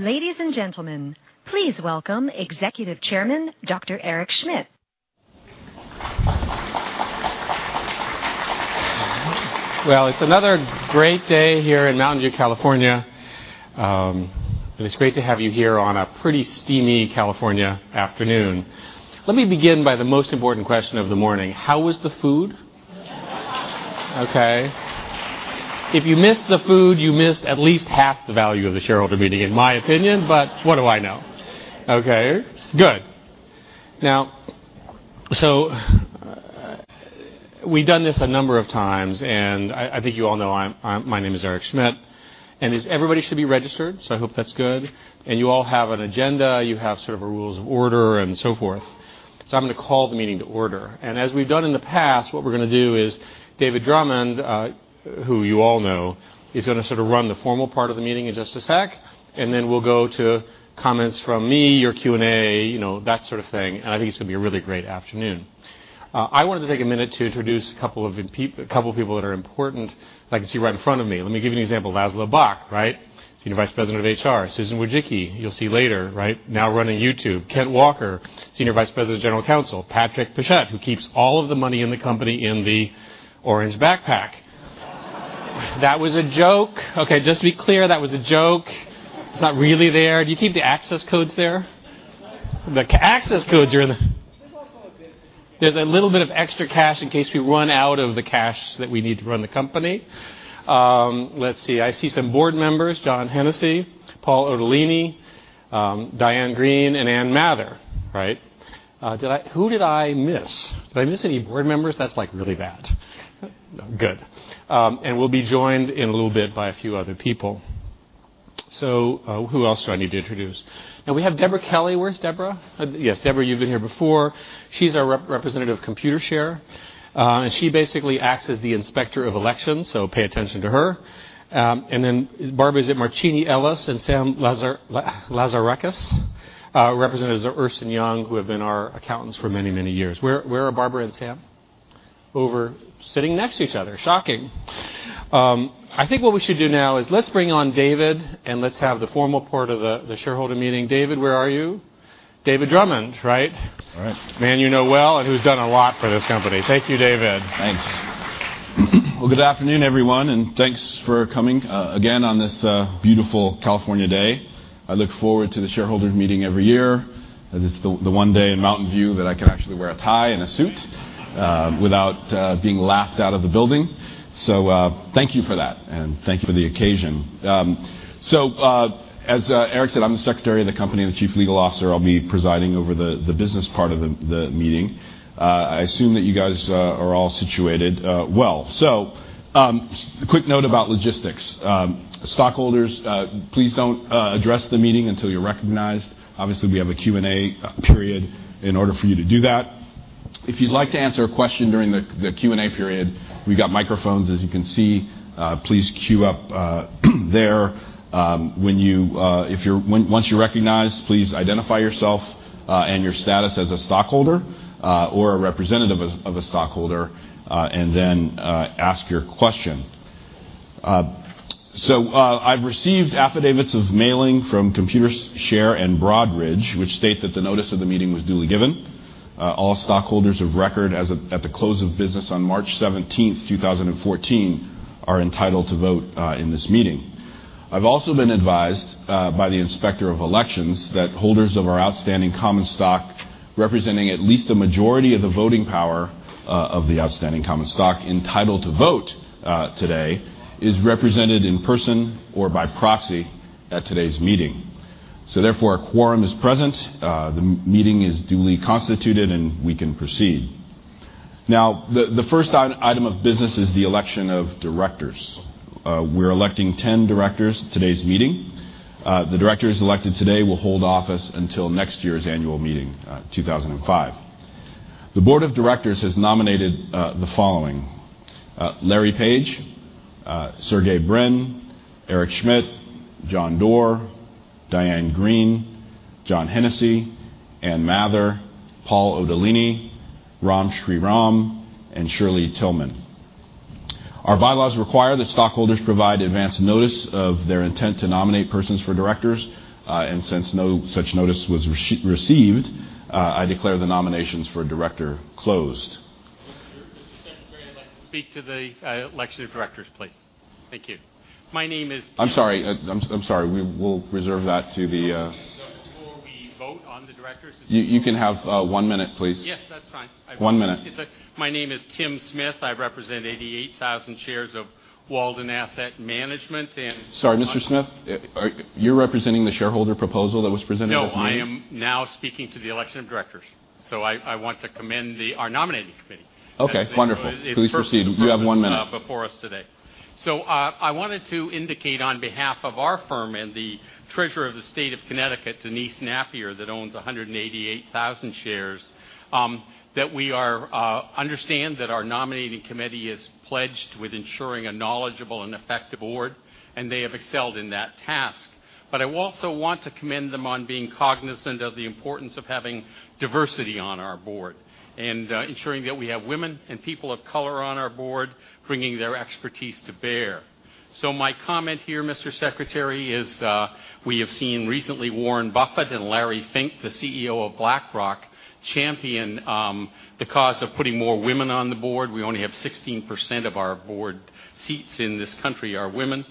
Ladies and gentlemen, please welcome Executive Chairman Dr. Eric Schmidt. It's another great day here in Mountain View, California. It's great to have you here on a pretty steamy California afternoon. Let me begin by the most important question of the morning: How was the food? Okay. If you missed the food, you missed at least half the value of the shareholder meeting, in my opinion, but what do I know? Okay, good. Now, so we've done this a number of times, and I think you all know my name is Eric Schmidt, and everybody should be registered, so I hope that's good. You all have an agenda, you have sort of a rules of order, and so forth. I'm going to call the meeting to order. As we've done in the past, what we're going to do is David Drummond, who you all know, is going to sort of run the formal part of the meeting in just a sec, and then we'll go to comments from me, your Q&A, you know, that sort of thing. I think it's going to be a really great afternoon. I wanted to take a minute to introduce a couple of people that are important that I can see right in front of me. Let me give you an example: Laszlo Bock, right? Senior Vice President of HR. Susan Wojcicki, you'll see later, right? Now running YouTube. Kent Walker, Senior Vice President of General Counsel. Patrick Pichette, who keeps all of the money in the company in the orange backpack. That was a joke. Okay, just to be clear, that was a joke. It's not really there. Do you keep the access codes there? The access codes are in the. There's a little bit of extra cash in case we run out of the cash that we need to run the company. Let's see. I see some Board members: John Hennessy, Paul Otellini, Diane Greene, and Ann Mather, right? Who did I miss? Did I miss any board members? That's like really bad. Good. And we'll be joined in a little bit by a few other people. So who else do I need to introduce? Now we have Debra Kelly. Where's Debra? Yes, Debra, you've been here before. She's our representative of Computershare, and she basically acts as the inspector of elections, so pay attention to her. And then Barbara Z. Marchini-Ellis and Sam Lazarakis, representatives of Ernst and Young, who have been our accountants for many, many years. Where are Barbara and Sam? We're sitting next to each other. Shocking. I think what we should do now is let's bring on David, and let's have the formal part of the shareholder meeting. David, where are you? David Drummond, right? All right. Man you know well and who's done a lot for this company. Thank you, David. Thanks. Well, good afternoon, everyone, and thanks for coming again on this beautiful California day. I look forward to the shareholders meeting every year. It's the one day in Mountain View that I can actually wear a tie and a suit without being laughed out of the building. So thank you for that, and thank you for the occasion. So as Eric said, I'm the Secretary of the company and the Chief Legal Officer. I'll be presiding over the business part of the meeting. I assume that you guys are all situated well. So a quick note about logistics. Stockholders, please don't address the meeting until you're recognized. Obviously, we have a Q&A period in order for you to do that. If you'd like to answer a question during the Q&A period, we've got microphones, as you can see. Please queue up there. Once you're recognized, please identify yourself and your status as a stockholder or a representative of a stockholder, and then ask your question. So I've received affidavits of mailing from Computershare and Broadridge, which state that the notice of the meeting was duly given. All stockholders of record at the close of business on March 17th, 2014, are entitled to vote in this meeting. I've also been advised by the inspector of elections that holders of our outstanding common stock, representing at least a majority of the voting power of the outstanding common stock entitled to vote today, are represented in person or by proxy at today's meeting. So therefore, a quorum is present. The meeting is duly constituted, and we can proceed. Now, the first item of business is the election of directors. We're electing 10 directors at today's meeting. The directors elected today will hold office until next year's annual meeting, 2005. The board of directors has nominated the following: Larry Page, Sergey Brin, Eric Schmidt, John Doerr, Diane Greene, John Hennessy, Ann Mather, Paul Otellini, Ram Shriram, and Shirley Tilghman. Our bylaws require that stockholders provide advance notice of their intent to nominate persons for directors. And since no such notice was received, I declare the nominations for director closed. Mr. Secretary, I'd like to speak to the election of directors, please. Thank you. My name is Tim Smith. I'm sorry. I'm sorry. We'll reserve that to the. Before we vote on the directors. You can have one minute, please. Yes, that's fine. One minute. My name is Tim Smith. I represent 88,000 shares of Walden Asset Management. Sorry, Mr. Smith? You're representing the shareholder proposal that was presented? No, I am now speaking to the Election of Directors, so I want to commend our Nominating Committee. Okay, wonderful. Please proceed. You have one minute. Before us today. So I wanted to indicate on behalf of our firm and the treasurer of the state of Connecticut, Denise Nappier, that owns 188,000 shares, that we understand that our nominating committee is pledged with ensuring a knowledgeable and effective board, and they have excelled in that task. But I also want to commend them on being cognizant of the importance of having diversity on our board and ensuring that we have women and people of color on our board bringing their expertise to bear. So my comment here, Mr. Secretary, is we have seen recently Warren Buffett and Larry Fink, the CEO of BlackRock, champion the cause of putting more women on the board. We only have 16% of our board seats in this country that are women.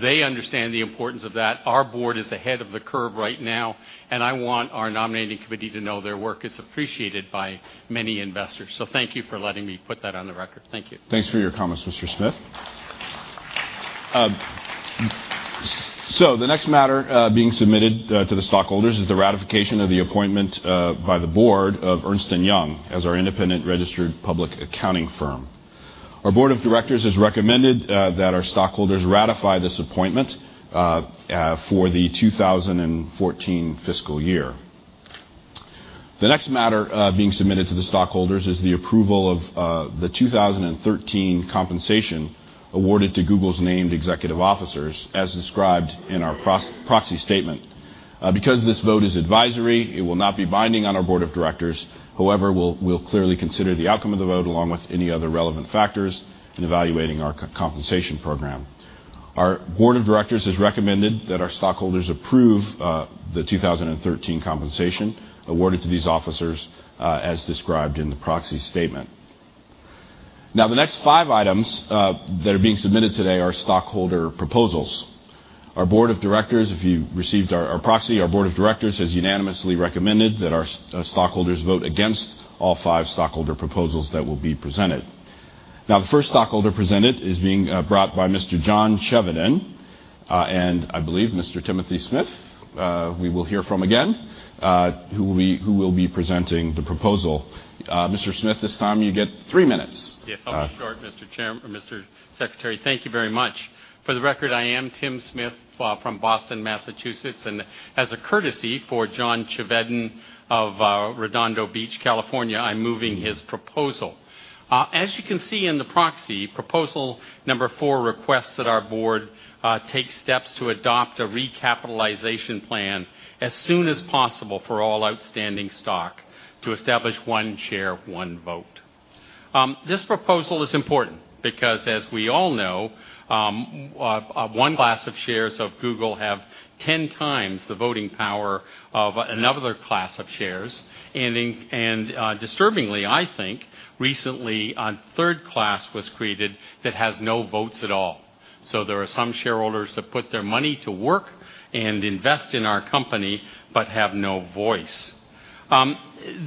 They understand the importance of that. Our board is ahead of the curve right now, and I want our nominating committee to know their work is appreciated by many investors. So thank you for letting me put that on the record. Thank you. Thanks for your comments, Mr. Smith. The next matter being submitted to the stockholders is the ratification of the appointment by the board of Ernst & Young as our independent registered public accounting firm. Our Board of Directors has recommended that our stockholders ratify this appointment for the 2014 fiscal year. The next matter being submitted to the stockholders is the approval of the 2013 compensation awarded to Google's named executive officers, as described in our proxy statement. Because this vote is advisory, it will not be binding on our board of directors. However, we'll clearly consider the outcome of the vote along with any other relevant factors in evaluating our compensation program. Our board of directors has recommended that our stockholders approve the 2013 compensation awarded to these officers, as described in the proxy statement. Now, the next five items that are being submitted today are stockholder proposals. Our board of directors, if you received our proxy, our board of directors has unanimously recommended that our stockholders vote against all five stockholder proposals that will be presented. Now, the first stockholder presented is being brought by Mr. John Chevedden, and I believe Mr. Timothy Smith, we will hear from again, who will be presenting the proposal. Mr. Smith, this time you get three minutes. Yes, I'll be short, Mr. Secretary. Thank you very much. For the record, I am Tim Smith from Boston, Massachusetts, and as a courtesy for John Chevedden of Redondo Beach, California, I'm moving his proposal. As you can see in the proxy, proposal number four requests that our board take steps to adopt a recapitalization plan as soon as possible for all outstanding stock to establish one share, one vote. This proposal is important because, as we all know, one class of shares of Google has 10x the voting power of another class of shares, and disturbingly, I think, recently a third class was created that has no votes at all, so there are some shareholders that put their money to work and invest in our company but have no voice.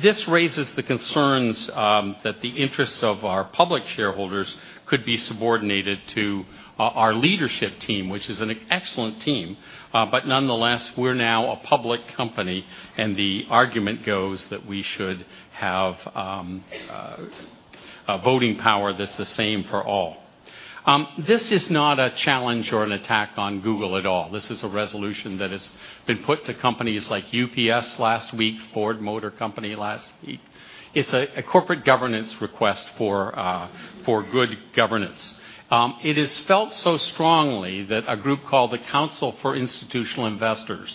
This raises the concerns that the interests of our public shareholders could be subordinated to our leadership team, which is an excellent team. But nonetheless, we're now a public company, and the argument goes that we should have voting power that's the same for all. This is not a challenge or an attack on Google at all. This is a resolution that has been put to companies like UPS last week, Ford Motor Company last week. It's a corporate governance request for good governance. It is felt so strongly that a group called the Council of Institutional Investors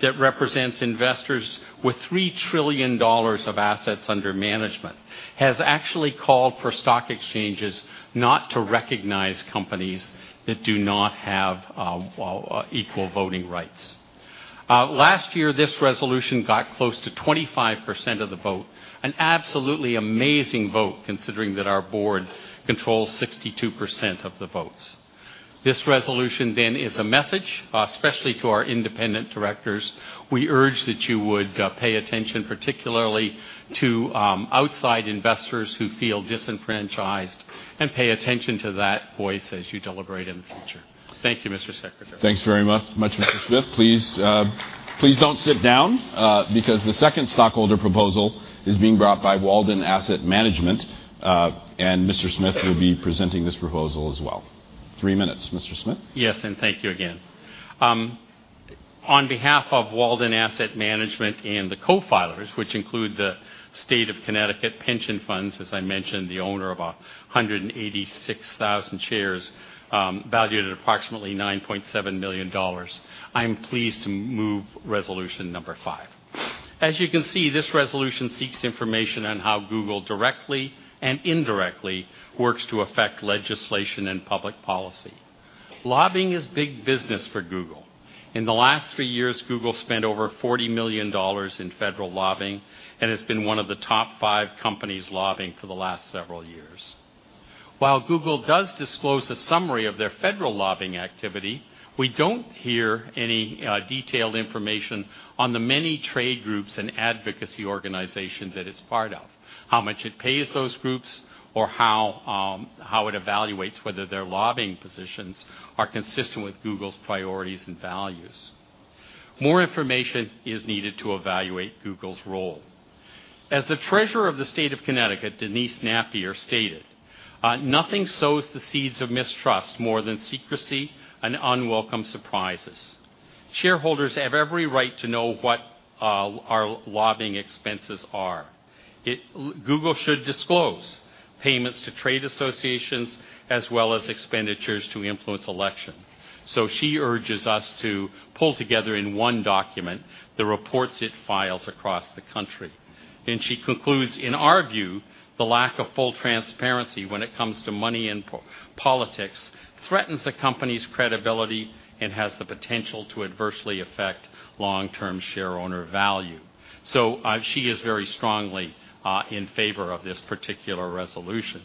that represents investors with $3 trillion of assets under management has actually called for stock exchanges not to recognize companies that do not have equal voting rights. Last year, this resolution got close to 25% of the vote, an absolutely amazing vote considering that our board controls 62% of the votes. This resolution then is a message, especially to our independent directors. We urge that you would pay attention particularly to outside investors who feel disenfranchised and pay attention to that voice as you deliberate in the future. Thank you, Mr. Secretary. Thanks very much, Mr. Smith. Please don't sit down because the second stockholder proposal is being brought by Walden Asset Management, and Mr. Smith will be presenting this proposal as well. Three minutes, Mr. Smith. Yes, and thank you again. On behalf of Walden Asset Management and the co-filers, which include the State of Connecticut Pension Funds, as I mentioned, the owner of 186,000 shares valued at approximately $9.7 million, I'm pleased to move resolution number five. As you can see, this resolution seeks information on how Google directly and indirectly works to affect legislation and public policy. Lobbying is big business for Google. In the last three years, Google spent over $40 million in federal lobbying and has been one of the top five companies lobbying for the last several years. While Google does disclose a summary of their federal lobbying activity, we don't hear any detailed information on the many trade groups and advocacy organizations that it's part of, how much it pays those groups, or how it evaluates whether their lobbying positions are consistent with Google's priorities and values. More information is needed to evaluate Google's role. As the treasurer of the State of Connecticut, Denise Napier, stated, "Nothing sows the seeds of mistrust more than secrecy and unwelcome surprises." Shareholders have every right to know what our lobbying expenses are. Google should disclose payments to trade associations as well as expenditures to influence elections, so she urges us to pull together in one document the reports it files across the country. And she concludes, "In our view, the lack of full transparency when it comes to money and politics threatens a company's credibility and has the potential to adversely affect long-term shareholder value," so she is very strongly in favor of this particular resolution.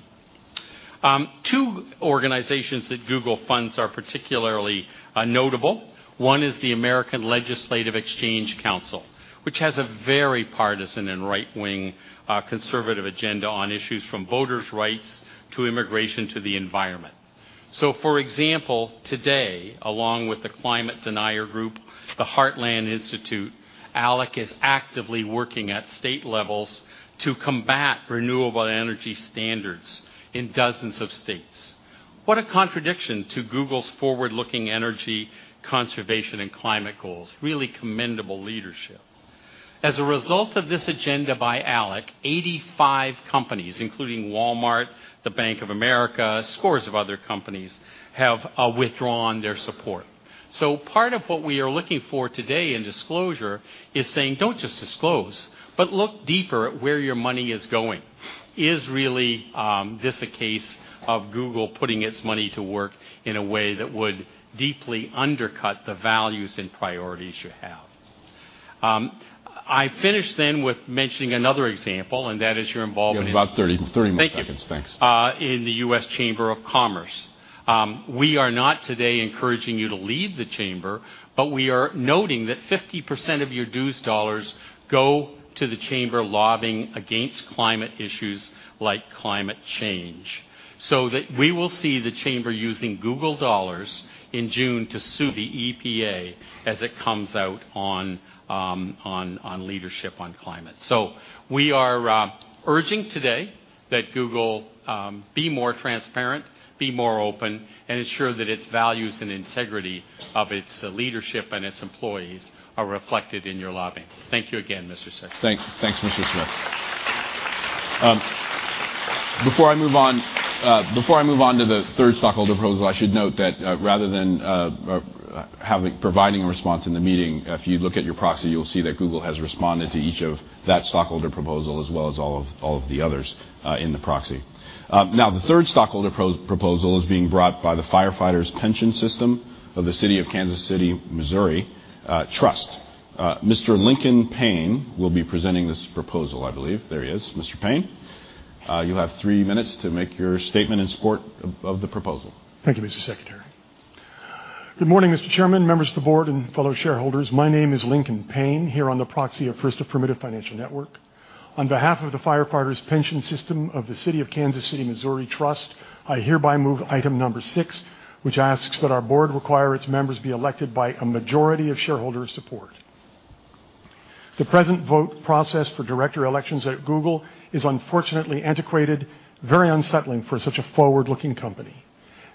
Two organizations that Google funds are particularly notable. One is the American Legislative Exchange Council, which has a very partisan and right-wing conservative agenda on issues from voters' rights to immigration to the environment. For example, today, along with the climate denial group, the Heartland Institute, ALEC is actively working at state levels to combat renewable energy standards in dozens of states. What a contradiction to Google's forward-looking energy conservation and climate goals. Really commendable leadership. As a result of this agenda by ALEC, 85 companies, including Walmart, the Bank of America, scores of other companies, have withdrawn their support. Part of what we are looking for today in disclosure is saying, "Don't just disclose, but look deeper at where your money is going." Is really this a case of Google putting its money to work in a way that would deeply undercut the values and priorities you have? I finished then with mentioning another example, and that is your involvement. You have about 30 more seconds. Thanks. In the U.S. Chamber of Commerce. We are not today encouraging you to leave the chamber, but we are noting that 50% of your dues dollars go to the chamber lobbying against climate issues like climate change. So we will see the chamber using Google dollars in June to sue the EPA as it comes out on leadership on climate. So we are urging today that Google be more transparent, be more open, and ensure that its values and integrity of its leadership and its employees are reflected in your lobbying. Thank you again, Mr. Secretary. Thanks, Mr. Smith. Before I move on to the third stockholder proposal, I should note that rather than providing a response in the meeting, if you look at your proxy, you'll see that Google has responded to each of that stockholder proposal as well as all of the others in the proxy. Now, the third stockholder proposal is being brought by the Firefighters Pension System of the City of Kansas City, Missouri, Trust. Mr. Lincoln Paine will be presenting this proposal, I believe. There he is. Mr. Payne, you'll have three minutes to make your statement in support of the proposal. Thank you, Mr. Secretary. Good morning, Mr. Chairman, members of the board, and fellow shareholders. My name is Lincoln Payne, here on the proxy of First Affirmative Financial Network. On behalf of the Firefighters Pension System of the City of Kansas City, Missouri, Trust, I hereby move item number six, which asks that our board require its members be elected by a majority of shareholders' support. The present vote process for director elections at Google is unfortunately antiquated, very unsettling for such a forward-looking company.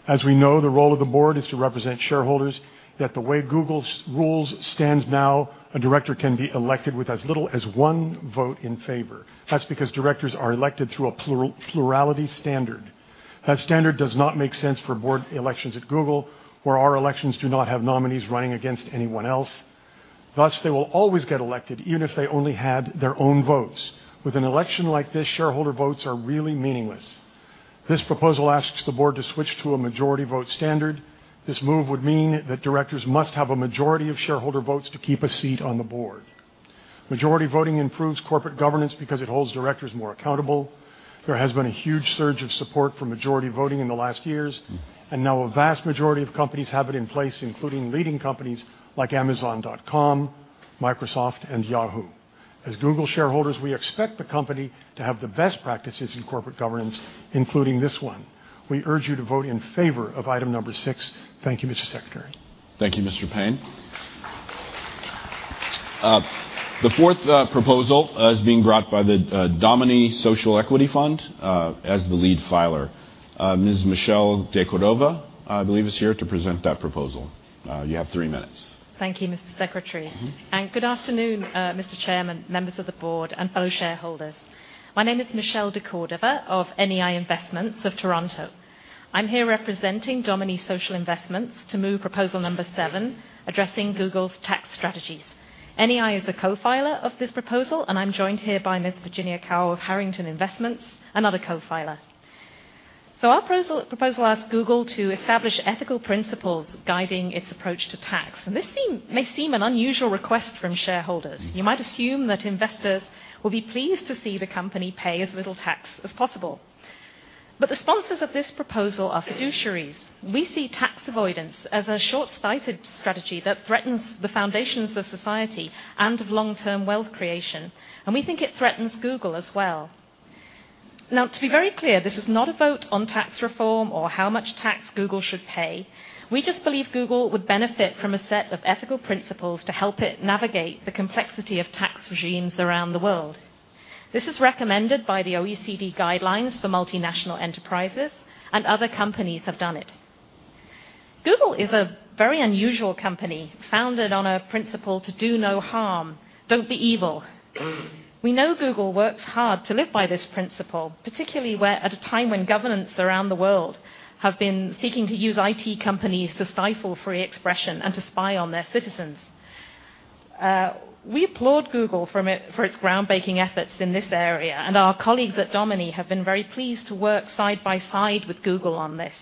As we know, the role of the board is to represent shareholders that the way Google's rules stand now, a director can be elected with as little as one vote in favor. That's because directors are elected through a plurality standard. That standard does not make sense for board elections at Google, where our elections do not have nominees running against anyone else. Thus, they will always get elected, even if they only had their own votes. With an election like this, shareholder votes are really meaningless. This proposal asks the board to switch to a majority vote standard. This move would mean that directors must have a majority of shareholder votes to keep a seat on the board. Majority voting improves corporate governance because it holds directors more accountable. There has been a huge surge of support for majority voting in the last years, and now a vast majority of companies have it in place, including leading companies like Amazon.com, Microsoft, and Yahoo. As Google shareholders, we expect the company to have the best practices in corporate governance, including this one. We urge you to vote in favor of item number six. Thank you, Mr. Secretary. Thank you, Mr. Payne. The fourth proposal is being brought by the Domini Social Equity Fund as the lead filer. Ms. Michelle de Cordova, I believe, is here to present that proposal. You have three minutes. Thank you, Mr. Secretary, and good afternoon, Mr. Chairman, members of the board, and fellow shareholders. My name is Michelle de Cordova of NEI Investments of Toronto. I'm here representing Domini Social Investments to move proposal number seven, addressing Google's tax strategies. NEI is a co-filer of this proposal, and I'm joined here by Ms. Virginia Coyle of Harrington Investments, another co-filer, so our proposal asks Google to establish ethical principles guiding its approach to tax, and this may seem an unusual request from shareholders. You might assume that investors will be pleased to see the company pay as little tax as possible, but the sponsors of this proposal are fiduciaries. We see tax avoidance as a short-sighted strategy that threatens the foundations of society and of long-term wealth creation, and we think it threatens Google as well. Now, to be very clear, this is not a vote on tax reform or how much tax Google should pay. We just believe Google would benefit from a set of ethical principles to help it navigate the complexity of tax regimes around the world. This is recommended by the OECD guidelines for multinational enterprises, and other companies have done it. Google is a very unusual company founded on a principle to do no harm, Don't Be Evil. We know Google works hard to live by this principle, particularly at a time when governments around the world have been seeking to use IT companies to stifle free expression and to spy on their citizens. We applaud Google for its groundbreaking efforts in this area, and our colleagues at Domini have been very pleased to work side by side with Google on this.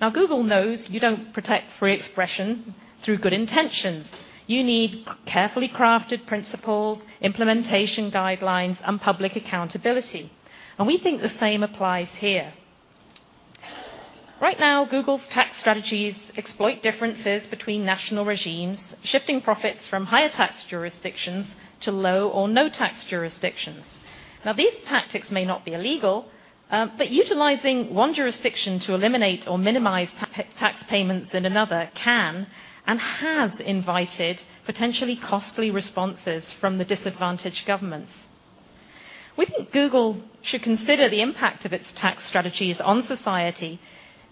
Now, Google knows you don't protect free expression through good intentions. You need carefully crafted principles, implementation guidelines, and public accountability. And we think the same applies here. Right now, Google's tax strategies exploit differences between national regimes, shifting profits from higher tax jurisdictions to low or no tax jurisdictions. Now, these tactics may not be illegal, but utilizing one jurisdiction to eliminate or minimize tax payments in another can and has invited potentially costly responses from the disadvantaged governments. We think Google should consider the impact of its tax strategies on society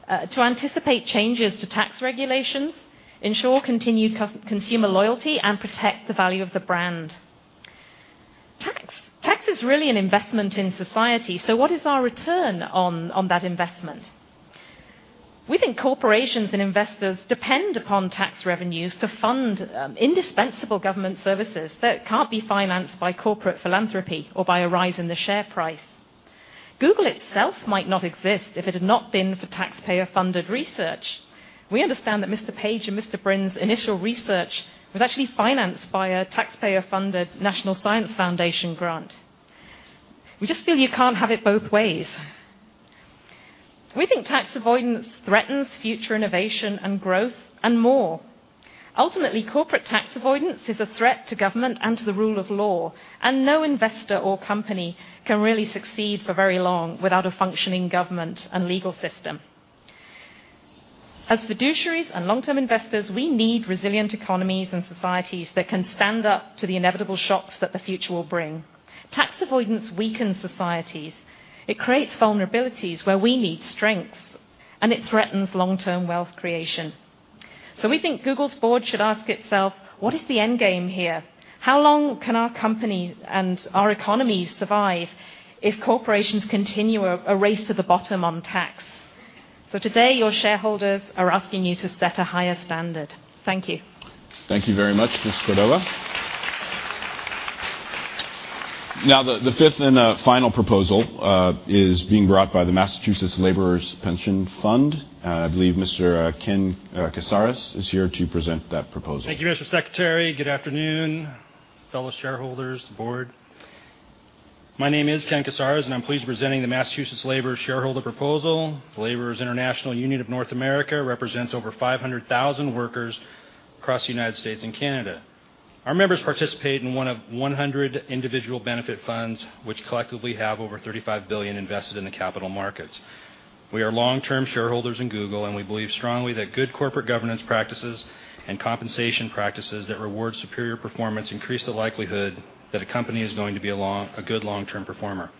to anticipate changes to tax regulations, ensure continued consumer loyalty, and protect the value of the brand. Tax is really an investment in society, so what is our return on that investment? We think corporations and investors depend upon tax revenues to fund indispensable government services that can't be financed by corporate philanthropy or by a rise in the share price. Google itself might not exist if it had not been for taxpayer-funded research. We understand that Mr. Page and Mr. Brin's initial research was actually financed by a taxpayer-funded National Science Foundation grant. We just feel you can't have it both ways. We think tax avoidance threatens future innovation and growth and more. Ultimately, corporate tax avoidance is a threat to government and to the rule of law, and no investor or company can really succeed for very long without a functioning government and legal system. As fiduciaries and long-term investors, we need resilient economies and societies that can stand up to the inevitable shocks that the future will bring. Tax avoidance weakens societies. It creates vulnerabilities where we need strengths, and it threatens long-term wealth creation. So we think Google's board should ask itself, "What is the end game here? How long can our company and our economy survive if corporations continue a race to the bottom on tax?" So today, your shareholders are asking you to set a higher standard. Thank you. Thank you very much, Ms. de Cordova. Now, the fifth and final proposal is being brought by the Massachusetts Laborers' Pension Fund. I believe Mr. Ken Casarez is here to present that proposal. Thank you, Mr. Secretary. Good afternoon, fellow shareholders, board. My name is Ken Casarez, and I'm pleased to be presenting the Massachusetts Laborers' shareholder proposal. The Laborers' International Union of North America represents over 500,000 workers across the United States and Canada. Our members participate in one of 100 individual benefit funds, which collectively have over $35 billion invested in the capital markets. We are long-term shareholders in Google, and we believe strongly that good corporate governance practices and compensation practices that reward superior performance increase the likelihood that a company is going to be a good long-term performer.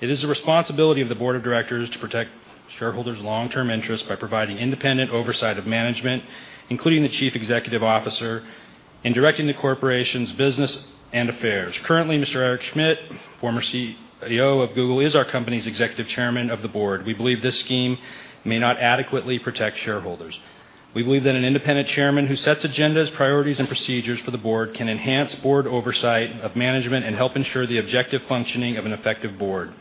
It is the responsibility of the board of directors to protect shareholders' long-term interests by providing independent oversight of management, including the chief executive officer, and directing the corporation's business and affairs. Currently, Mr. Eric Schmidt, former CEO of Google, is our company's executive chairman of the board. We believe this scheme may not adequately protect shareholders. We believe that an independent chairman who sets agendas, priorities, and procedures for the board can enhance board oversight of management and help ensure the objective functioning of an effective board.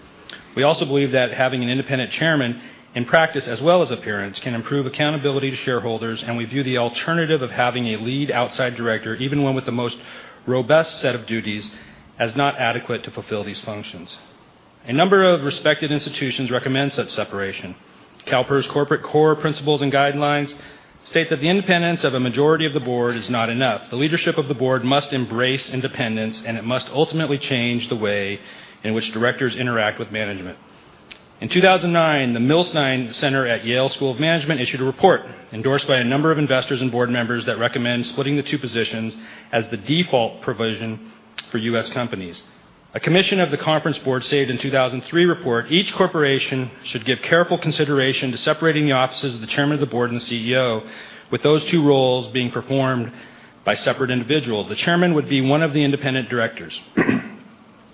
We also believe that having an independent chairman in practice as well as appearance can improve accountability to shareholders, and we view the alternative of having a lead outside director, even one with the most robust set of duties, as not adequate to fulfill these functions. A number of respected institutions recommend such separation. CalPERS Corporate Core Principles and Guidelines state that the independence of a majority of the board is not enough. The leadership of the board must embrace independence, and it must ultimately change the way in which directors interact with management. In 2009, the Millstein Center at Yale School of Management issued a report endorsed by a number of investors and board members that recommends splitting the two positions as the default provision for U.S. companies. A commission of the Conference Board said in a 2003 report, each corporation should give careful consideration to separating the offices of the chairman of the board and the CEO, with those two roles being performed by separate individuals. The chairman would be one of the independent directors.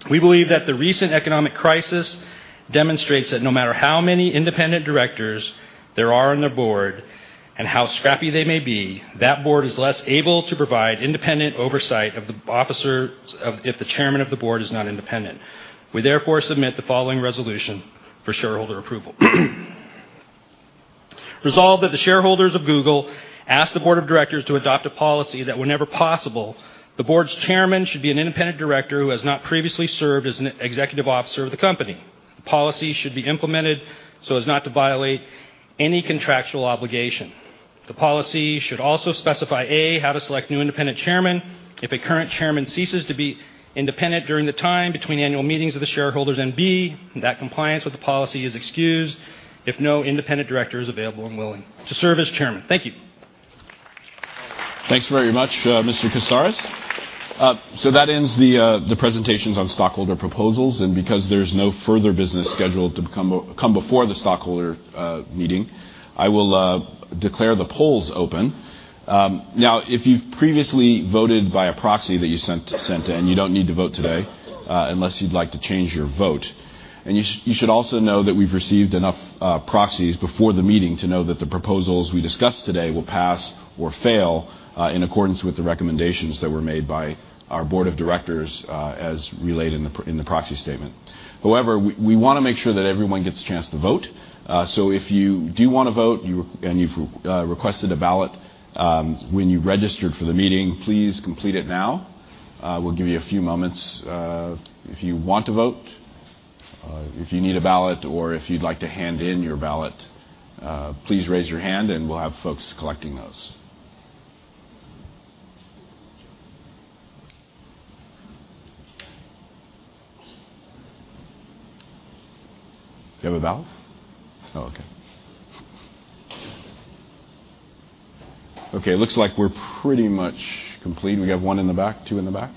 We believe that the recent economic crisis demonstrates that no matter how many independent directors there are on the board and how scrappy they may be, that board is less able to provide independent oversight of the officer if the chairman of the board is not independent. We therefore submit the following resolution for shareholder approval. Resolve that the shareholders of Google ask the board of directors to adopt a policy that whenever possible, the board's chairman should be an independent director who has not previously served as an executive officer of the company. The policy should be implemented so as not to violate any contractual obligation. The policy should also specify, A, how to select new independent chairmen if a current chairman ceases to be independent during the time between annual meetings of the shareholders, and B, that compliance with the policy is excused if no independent director is available and willing to serve as chairman. Thank you. Thanks very much, Mr. Casarez. So that ends the presentations on stockholder proposals, and because there's no further business scheduled to come before the stockholder meeting, I will declare the polls open. Now, if you've previously voted by a proxy that you sent in, you don't need to vote today unless you'd like to change your vote. And you should also know that we've received enough proxies before the meeting to know that the proposals we discuss today will pass or fail in accordance with the recommendations that were made by our board of directors as relayed in the proxy statement. However, we want to make sure that everyone gets a chance to vote. So if you do want to vote and you've requested a ballot when you registered for the meeting, please complete it now. We'll give you a few moments. If you want to vote, if you need a ballot, or if you'd like to hand in your ballot, please raise your hand, and we'll have folks collecting those. Do you have a ballot? Oh, okay. Okay, it looks like we're pretty much complete. We have one in the back, two in the back.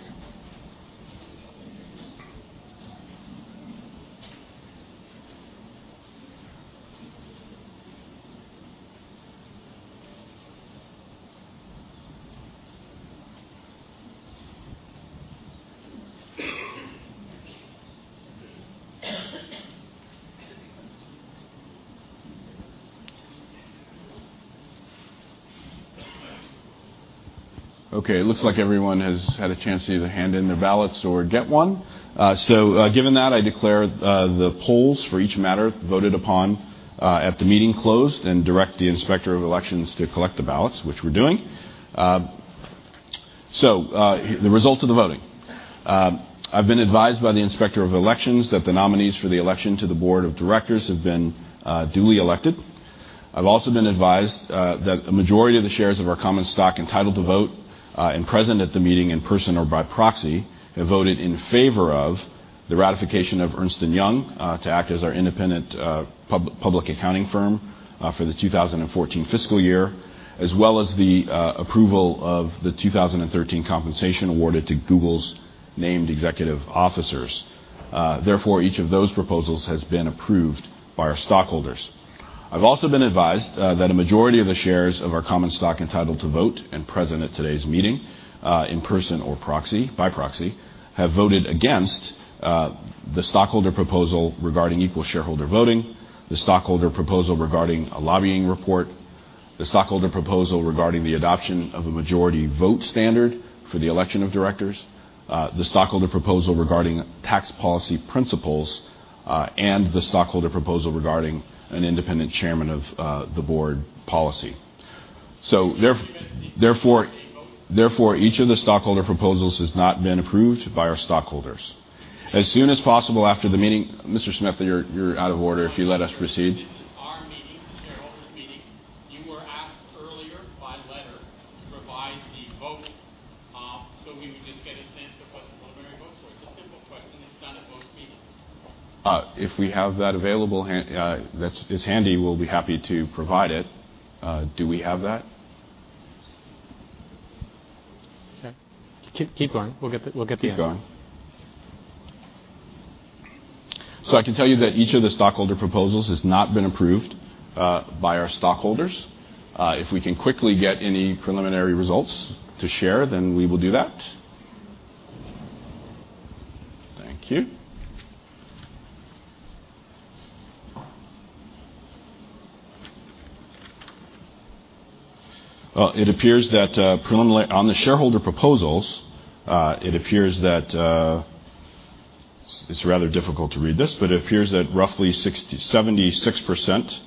Okay, it looks like everyone has had a chance to either hand in their ballots or get one. So given that, I declare the polls for each matter voted upon at the meeting closed and direct the inspector of elections to collect the ballots, which we're doing. So the results of the voting. I've been advised by the inspector of elections that the nominees for the election to the board of directors have been duly elected. I've also been advised that a majority of the shares of our common stock entitled to vote and present at the meeting in person or by proxy have voted in favor of the ratification of Ernst & Young to act as our independent public accounting firm for the 2014 fiscal year, as well as the approval of the 2013 compensation awarded to Google's named executive officers. Therefore, each of those proposals has been approved by our stockholders. I've also been advised that a majority of the shares of our common stock entitled to vote and present at today's meeting in person or by proxy have voted against the stockholder proposal regarding equal shareholder voting, the stockholder proposal regarding a lobbying report, the stockholder proposal regarding the adoption of a majority vote standard for the election of directors, the stockholder proposal regarding tax policy principles, and the stockholder proposal regarding an independent chairman of the board policy. So therefore, each of the stockholder proposals has not been approved by our stockholders. As soon as possible after the meeting, Mr. Smith, you're out of order if you let us proceed. This is our meeting, their own meeting. You were asked earlier by letter to provide the votes, so we would just get a sense of what the preliminary votes were. It's a simple question that's done at most meetings. If we have that available, that is handy, we'll be happy to provide it. Do we have that? Keep going. We'll get the answer. Keep going. So I can tell you that each of the stockholder proposals has not been approved by our stockholders. If we can quickly get any preliminary results to share, then we will do that. Thank you. Well, it appears that on the shareholder proposals, it appears that it's rather difficult to read this, but it appears that roughly 76%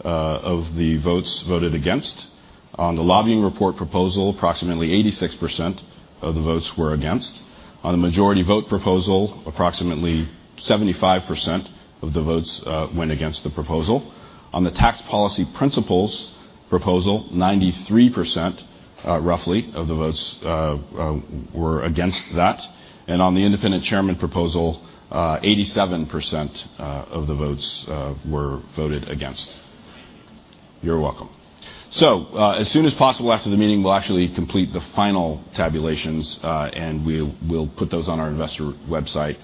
of the votes voted against. On the lobbying report proposal, approximately 86% of the votes were against. On the majority vote proposal, approximately 75% of the votes went against the proposal. On the tax policy principles proposal, 93% roughly of the votes were against that. And on the independent chairman proposal, 87% of the votes were voted against. You're welcome. So as soon as possible after the meeting, we'll actually complete the final tabulations, and we will put those on our investor website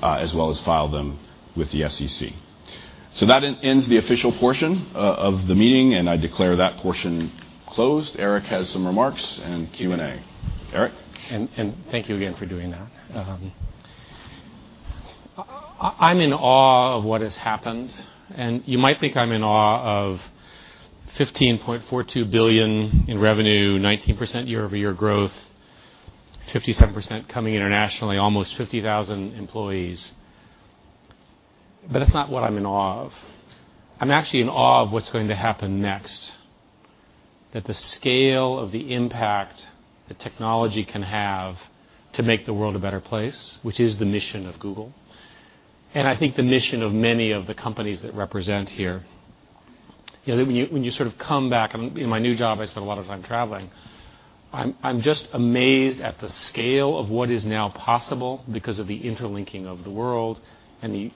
as well as file them with the SEC. So that ends the official portion of the meeting, and I declare that portion closed. Eric has some remarks and Q&A. Eric? And thank you again for doing that. I'm in awe of what has happened, and you might think I'm in awe of $15.42 billion in revenue, 19% year-over-year growth, 57% coming internationally, almost 50,000 employees. But that's not what I'm in awe of. I'm actually in awe of what's going to happen next, that the scale of the impact that technology can have to make the world a better place, which is the mission of Google, and I think the mission of many of the companies that represent here. When you sort of come back, in my new job, I spent a lot of time traveling. I'm just amazed at the scale of what is now possible because of the interlinking of the world and the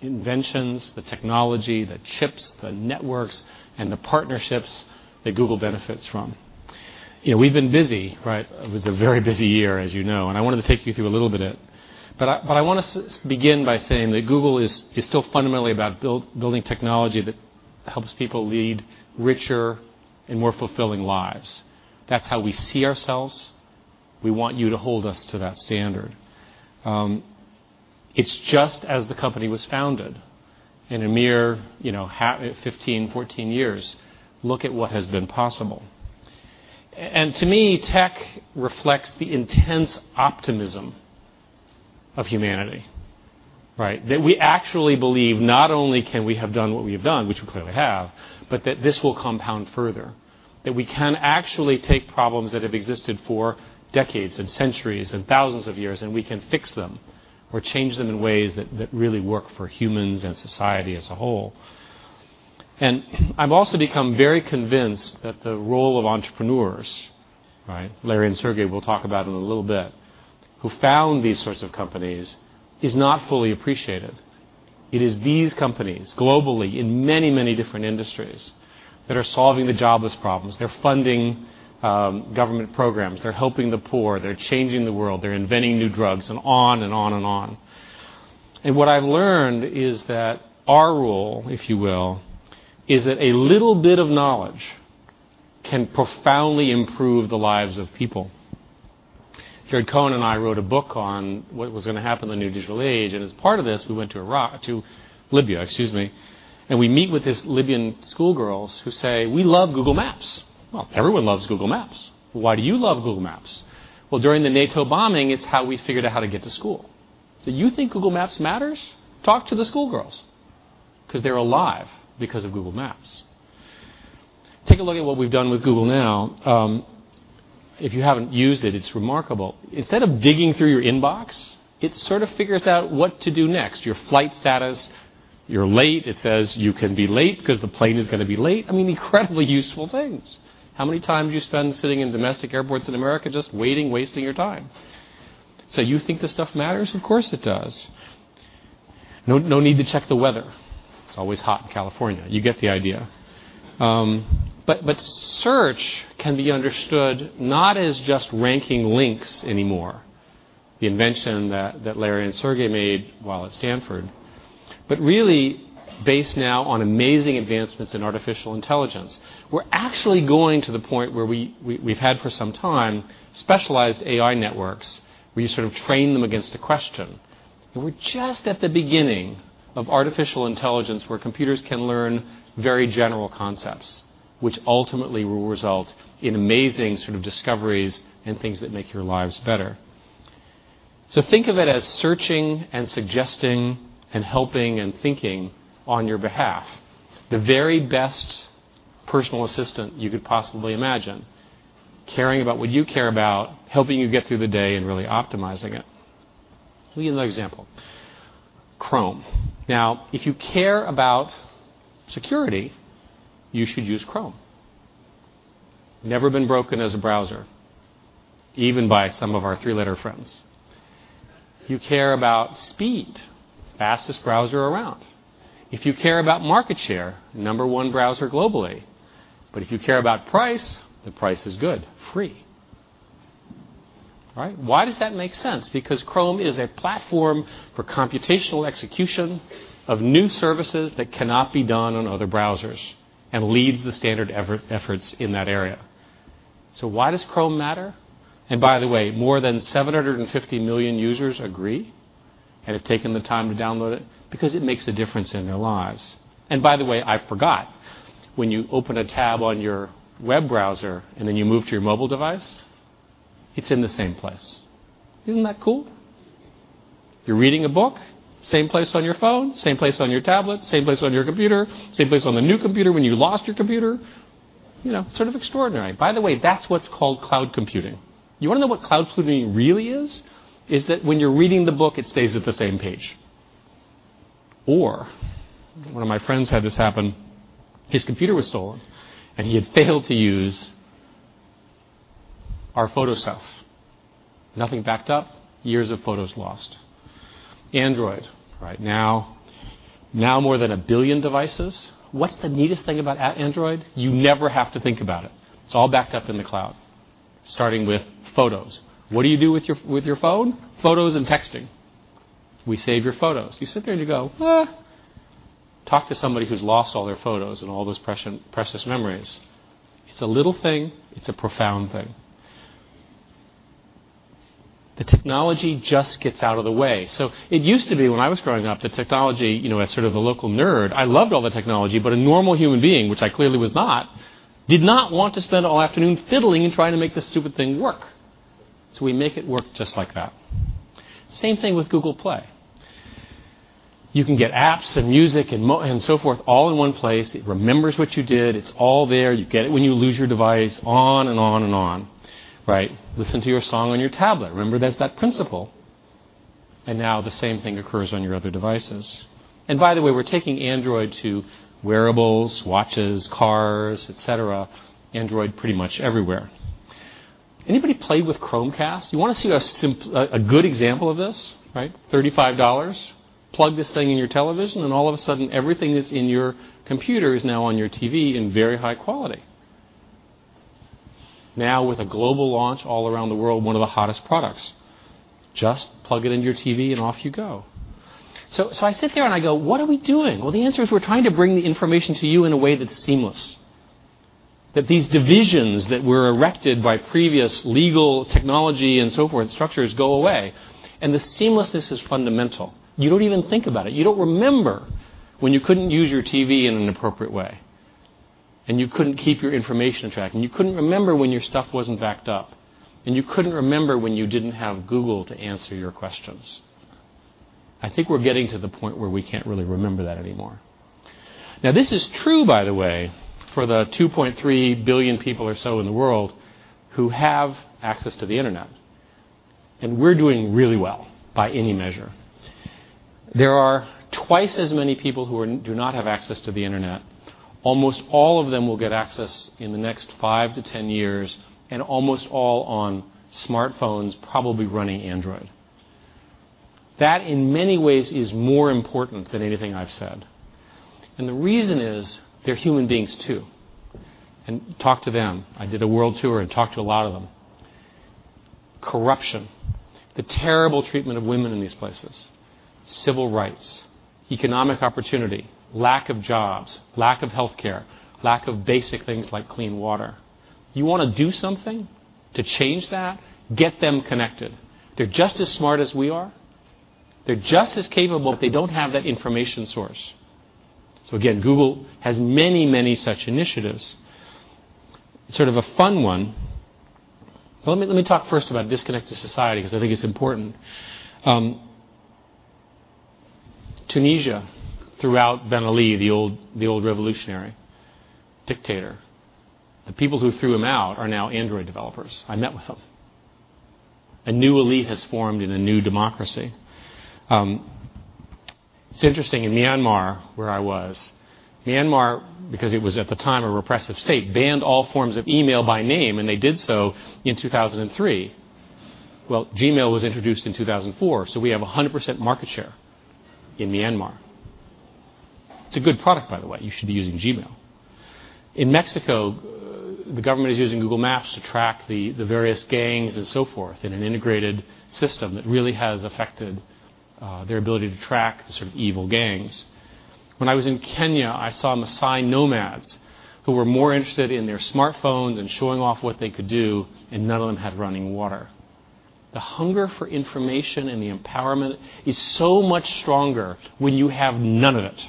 inventions, the technology, the chips, the networks, and the partnerships that Google benefits from. We've been busy. It was a very busy year, as you know, and I wanted to take you through a little bit of it. But I want to begin by saying that Google is still fundamentally about building technology that helps people lead richer and more fulfilling lives. That's how we see ourselves. We want you to hold us to that standard. It's just as the company was founded in a mere 15, 14 years. Look at what has been possible, and to me, tech reflects the intense optimism of humanity, that we actually believe not only can we have done what we have done, which we clearly have, but that this will compound further, that we can actually take problems that have existed for decades and centuries and thousands of years, and we can fix them or change them in ways that really work for humans and society as a whole. I've also become very convinced that the role of entrepreneurs, Larry and Sergey will talk about in a little bit, who founded these sorts of companies, is not fully appreciated. It is these companies globally in many, many different industries that are solving the jobless problems. They're funding government programs. They're helping the poor. They're changing the world. They're inventing new drugs and on and on and on. And what I've learned is that our role, if you will, is that a little bit of knowledge can profoundly improve the lives of people. Jared Cohen and I wrote a book on what was going to happen in the new digital age, and as part of this, we went to Libya, excuse me, and we meet with these Libyan schoolgirls who say, "We love Google Maps." Well, everyone loves Google Maps. Why do you love Google Maps? Well, during the NATO bombing, it's how we figured out how to get to school. So you think Google Maps matters? Talk to the schoolgirls because they're alive because of Google Maps. Take a look at what we've done with Google Now. If you haven't used it, it's remarkable. Instead of digging through your inbox, it sort of figures out what to do next. Your flight status, you're late. It says you can be late because the plane is going to be late. I mean, incredibly useful things. How many times do you spend sitting in domestic airports in America just waiting, wasting your time? So you think this stuff matters? Of course it does. No need to check the weather. It's always hot in California. You get the idea. But search can be understood not as just ranking links anymore, the invention that Larry and Sergey made while at Stanford, but really based now on amazing advancements in artificial intelligence. We're actually going to the point where we've had for some time specialized AI networks where you sort of train them against a question. And we're just at the beginning of artificial intelligence where computers can learn very general concepts, which ultimately will result in amazing sort of discoveries and things that make your lives better. So think of it as searching and suggesting and helping and thinking on your behalf. The very best personal assistant you could possibly imagine, caring about what you care about, helping you get through the day and really optimizing it. Let me give you another example. Chrome. Now, if you care about security, you should use Chrome. Never been broken as a browser, even by some of our three-letter friends. You care about speed, fastest browser around. If you care about market share, number one browser globally. But if you care about price, the price is good, free. Why does that make sense? Because Chrome is a platform for computational execution of new services that cannot be done on other browsers and leads the standard efforts in that area. So why does Chrome matter? And by the way, more than 750 million users agree and have taken the time to download it because it makes a difference in their lives. And by the way, I forgot, when you open a tab on your web browser and then you move to your mobile device, it's in the same place. Isn't that cool? You're reading a book, same place on your phone, same place on your tablet, same place on your computer, same place on the new computer when you lost your computer. Sort of extraordinary. By the way, that's what's called cloud computing. You want to know what cloud computing really is? Is that when you're reading the book, it stays at the same page. Or one of my friends had this happen. His computer was stolen, and he had failed to use our photo stuff. Nothing backed up, years of photos lost. Android. Now more than a billion devices. What's the neatest thing about Android? You never have to think about it. It's all backed up in the cloud, starting with photos. What do you do with your phone? Photos and texting. We save your photos. You sit there and you go, "Talk to somebody who's lost all their photos and all those precious memories." It's a little thing. It's a profound thing. The technology just gets out of the way. So it used to be when I was growing up, the technology, as sort of a local nerd, I loved all the technology, but a normal human being, which I clearly was not, did not want to spend all afternoon fiddling and trying to make this stupid thing work. So we make it work just like that. Same thing with Google Play. You can get apps and music and so forth all in one place. It remembers what you did. It's all there. You get it when you lose your device, on and on and on. Listen to your song on your tablet. Remember, there's that principle. And now the same thing occurs on your other devices. And by the way, we're taking Android to wearables, watches, cars, et cetera., Android pretty much everywhere. Anybody played with Chromecast? You want to see a good example of this? $35, plug this thing in your television, and all of a sudden, everything that's in your computer is now on your TV in very high quality. Now with a global launch all around the world, one of the hottest products. Just plug it into your TV and off you go. So I sit there and I go, "What are we doing?" Well, the answer is we're trying to bring the information to you in a way that's seamless, that these divisions that were erected by previous legal technology and so forth structures go away. And the seamlessness is fundamental. You don't even think about it. You don't remember when you couldn't use your TV in an appropriate way, and you couldn't keep your information track, and you couldn't remember when your stuff wasn't backed up, and you couldn't remember when you didn't have Google to answer your questions. I think we're getting to the point where we can't really remember that anymore. Now, this is true, by the way, for the 2.3 billion people or so in the world who have access to the internet. And we're doing really well by any measure. There are twice as many people who do not have access to the internet. Almost all of them will get access in the next 5-10 years and almost all on smartphones, probably running Android. That, in many ways, is more important than anything I've said. And the reason is they're human beings too. And talk to them. I did a world tour and talked to a lot of them. Corruption, the terrible treatment of women in these places, civil rights, economic opportunity, lack of jobs, lack of healthcare, lack of basic things like clean water. You want to do something to change that? Get them connected. They're just as smart as we are. They're just as capable, but they don't have that information source. So again, Google has many, many such initiatives. Sort of a fun one. Let me talk first about disconnected society because I think it's important. Tunisia, throughout Ben Ali, the old revolutionary dictator, the people who threw him out are now Android developers. I met with them. A new elite has formed in a new democracy. It's interesting. In Myanmar, where I was, Myanmar, because it was at the time a repressive state, banned all forms of email by name, and they did so in 2003. Well, Gmail was introduced in 2004, so we have 100% market share in Myanmar. It's a good product, by the way. You should be using Gmail. In Mexico, the government is using Google Maps to track the various gangs and so forth in an integrated system that really has affected their ability to track the sort of evil gangs. When I was in Kenya, I saw Maasai nomads who were more interested in their smartphones and showing off what they could do, and none of them had running water. The hunger for information and the empowerment is so much stronger when you have none of it.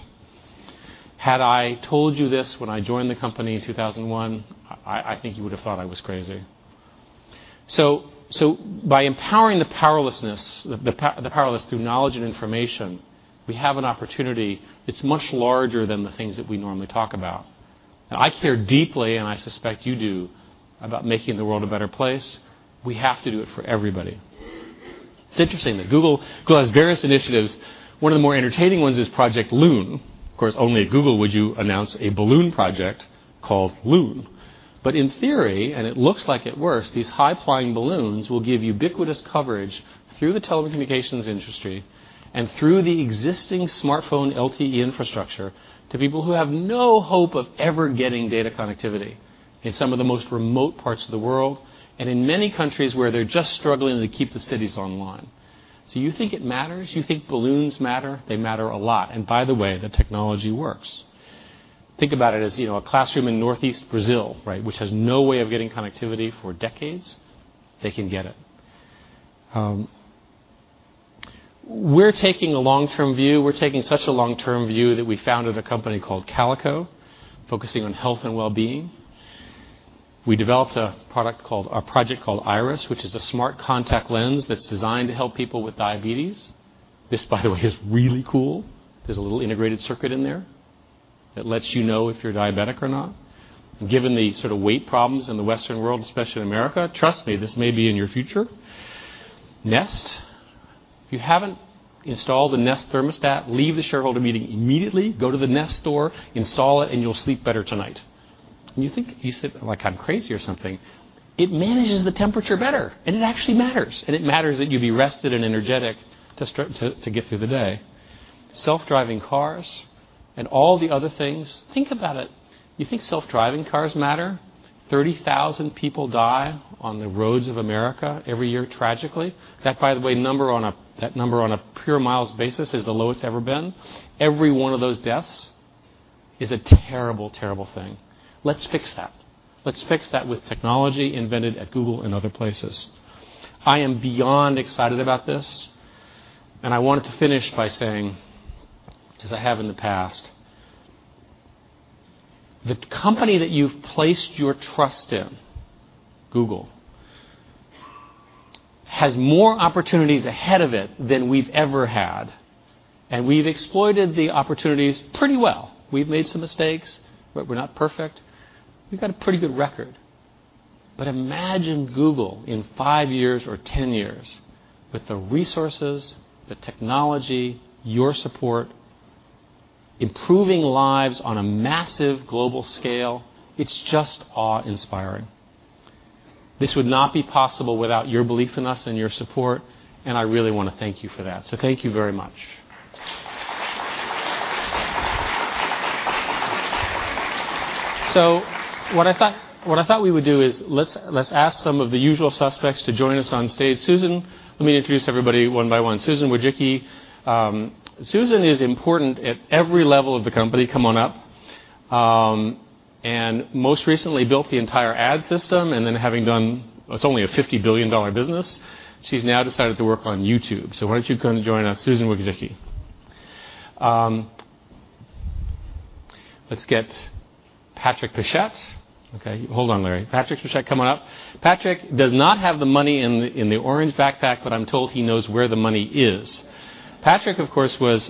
Had I told you this when I joined the company in 2001, I think you would have thought I was crazy. So by empowering the powerless through knowledge and information, we have an opportunity that's much larger than the things that we normally talk about. And I care deeply, and I suspect you do, about making the world a better place. We have to do it for everybody. It's interesting that Google has various initiatives. One of the more entertaining ones is Project Loon. Of course, only at Google would you announce a balloon project called Loon. But in theory, and it looks like it works, these high-flying balloons will give ubiquitous coverage through the telecommunications industry and through the existing smartphone LTE infrastructure to people who have no hope of ever getting data connectivity in some of the most remote parts of the world and in many countries where they're just struggling to keep the cities online. So you think it matters? You think balloons matter? They matter a lot. And by the way, the technology works. Think about it as a classroom in northeast Brazil, which has no way of getting connectivity for decades. They can get it. We're taking a long-term view. We're taking such a long-term view that we founded a company called Calico, focusing on health and well-being. We developed a project called Iris, which is a smart contact lens that's designed to help people with diabetes. This, by the way, is really cool. There's a little integrated circuit in there that lets you know if you're diabetic or not. Given the sort of weight problems in the Western world, especially in America, trust me, this may be in your future. Nest. If you haven't installed a Nest thermostat, leave the shareholder meeting immediately. Go to the Nest store, install it, and you'll sleep better tonight. You think I said like, "I'm crazy or something." It manages the temperature better, and it actually matters. And it matters that you be rested and energetic to get through the day. Self-driving cars and all the other things. Think about it. You think self-driving cars matter? 30,000 people die on the roads of America every year tragically. That, by the way, number on a pure miles basis is the lowest it's ever been. Every one of those deaths is a terrible, terrible thing. Let's fix that. Let's fix that with technology invented at Google and other places. I am beyond excited about this, and I wanted to finish by saying, as I have in the past, the company that you've placed your trust in, Google, has more opportunities ahead of it than we've ever had, and we've exploited the opportunities pretty well. We've made some mistakes, but we're not perfect. We've got a pretty good record, but imagine Google in five years or 10 years with the resources, the technology, your support, improving lives on a massive global scale. It's just awe-inspiring. This would not be possible without your belief in us and your support, and I really want to thank you for that, so thank you very much. So what I thought we would do is let's ask some of the usual suspects to join us on stage. Susan, let me introduce everybody one by one. Susan Wojcicki. Susan is important at every level of the company. Come on up. And most recently built the entire ad system. And then having done it's only a $50 billion business. She's now decided to work on YouTube. So why don't you come join us, Susan Wojcicki. Let's get Patrick Pichette. Okay. Hold on, Larry. Patrick Pichette, come on up. Patrick does not have the money in the orange backpack, but I'm told he knows where the money is. Patrick, of course, was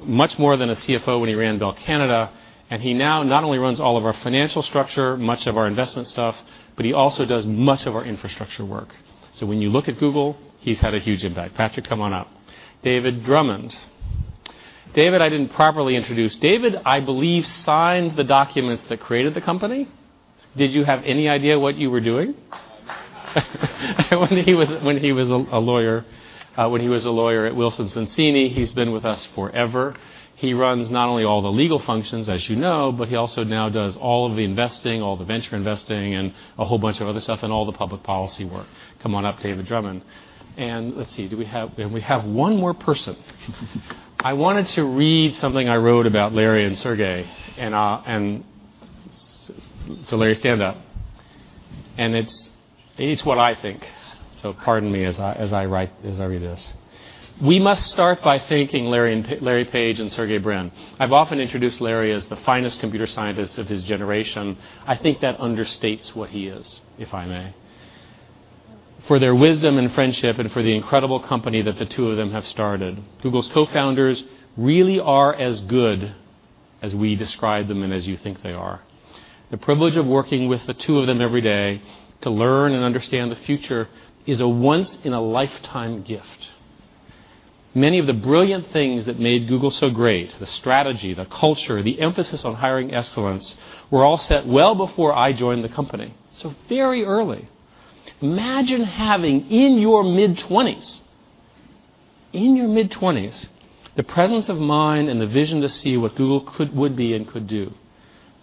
much more than a CFO when he ran Bell Canada, and he now not only runs all of our financial structure, much of our investment stuff, but he also does much of our infrastructure work. When you look at Google, he's had a huge impact. Patrick, come on up. David Drummond. David, I didn't properly introduce. David, I believe, signed the documents that created the company. Did you have any idea what you were doing? When he was a lawyer at Wilson Sonsini, he's been with us forever. He runs not only all the legal functions, as you know, but he also now does all of the investing, all the venture investing, and a whole bunch of other stuff, and all the public policy work. Come on up, David Drummond. And let's see. Do we have? And we have one more person. I wanted to read something I wrote about Larry and Sergey. And so Larry, stand up. And it's what I think. So pardon me as I read this. We must start by thanking Larry Page and Sergey Brin. I've often introduced Larry as the finest computer scientist of his generation. I think that understates what he is, if I may. For their wisdom and friendship and for the incredible company that the two of them have started, Google's co-founders really are as good as we describe them and as you think they are. The privilege of working with the two of them every day to learn and understand the future is a once-in-a-lifetime gift. Many of the brilliant things that made Google so great, the strategy, the culture, the emphasis on hiring excellence, were all set well before I joined the company. So very early. Imagine having in your mid-20s, in your mid-20s, the presence of mind and the vision to see what Google would be and could do.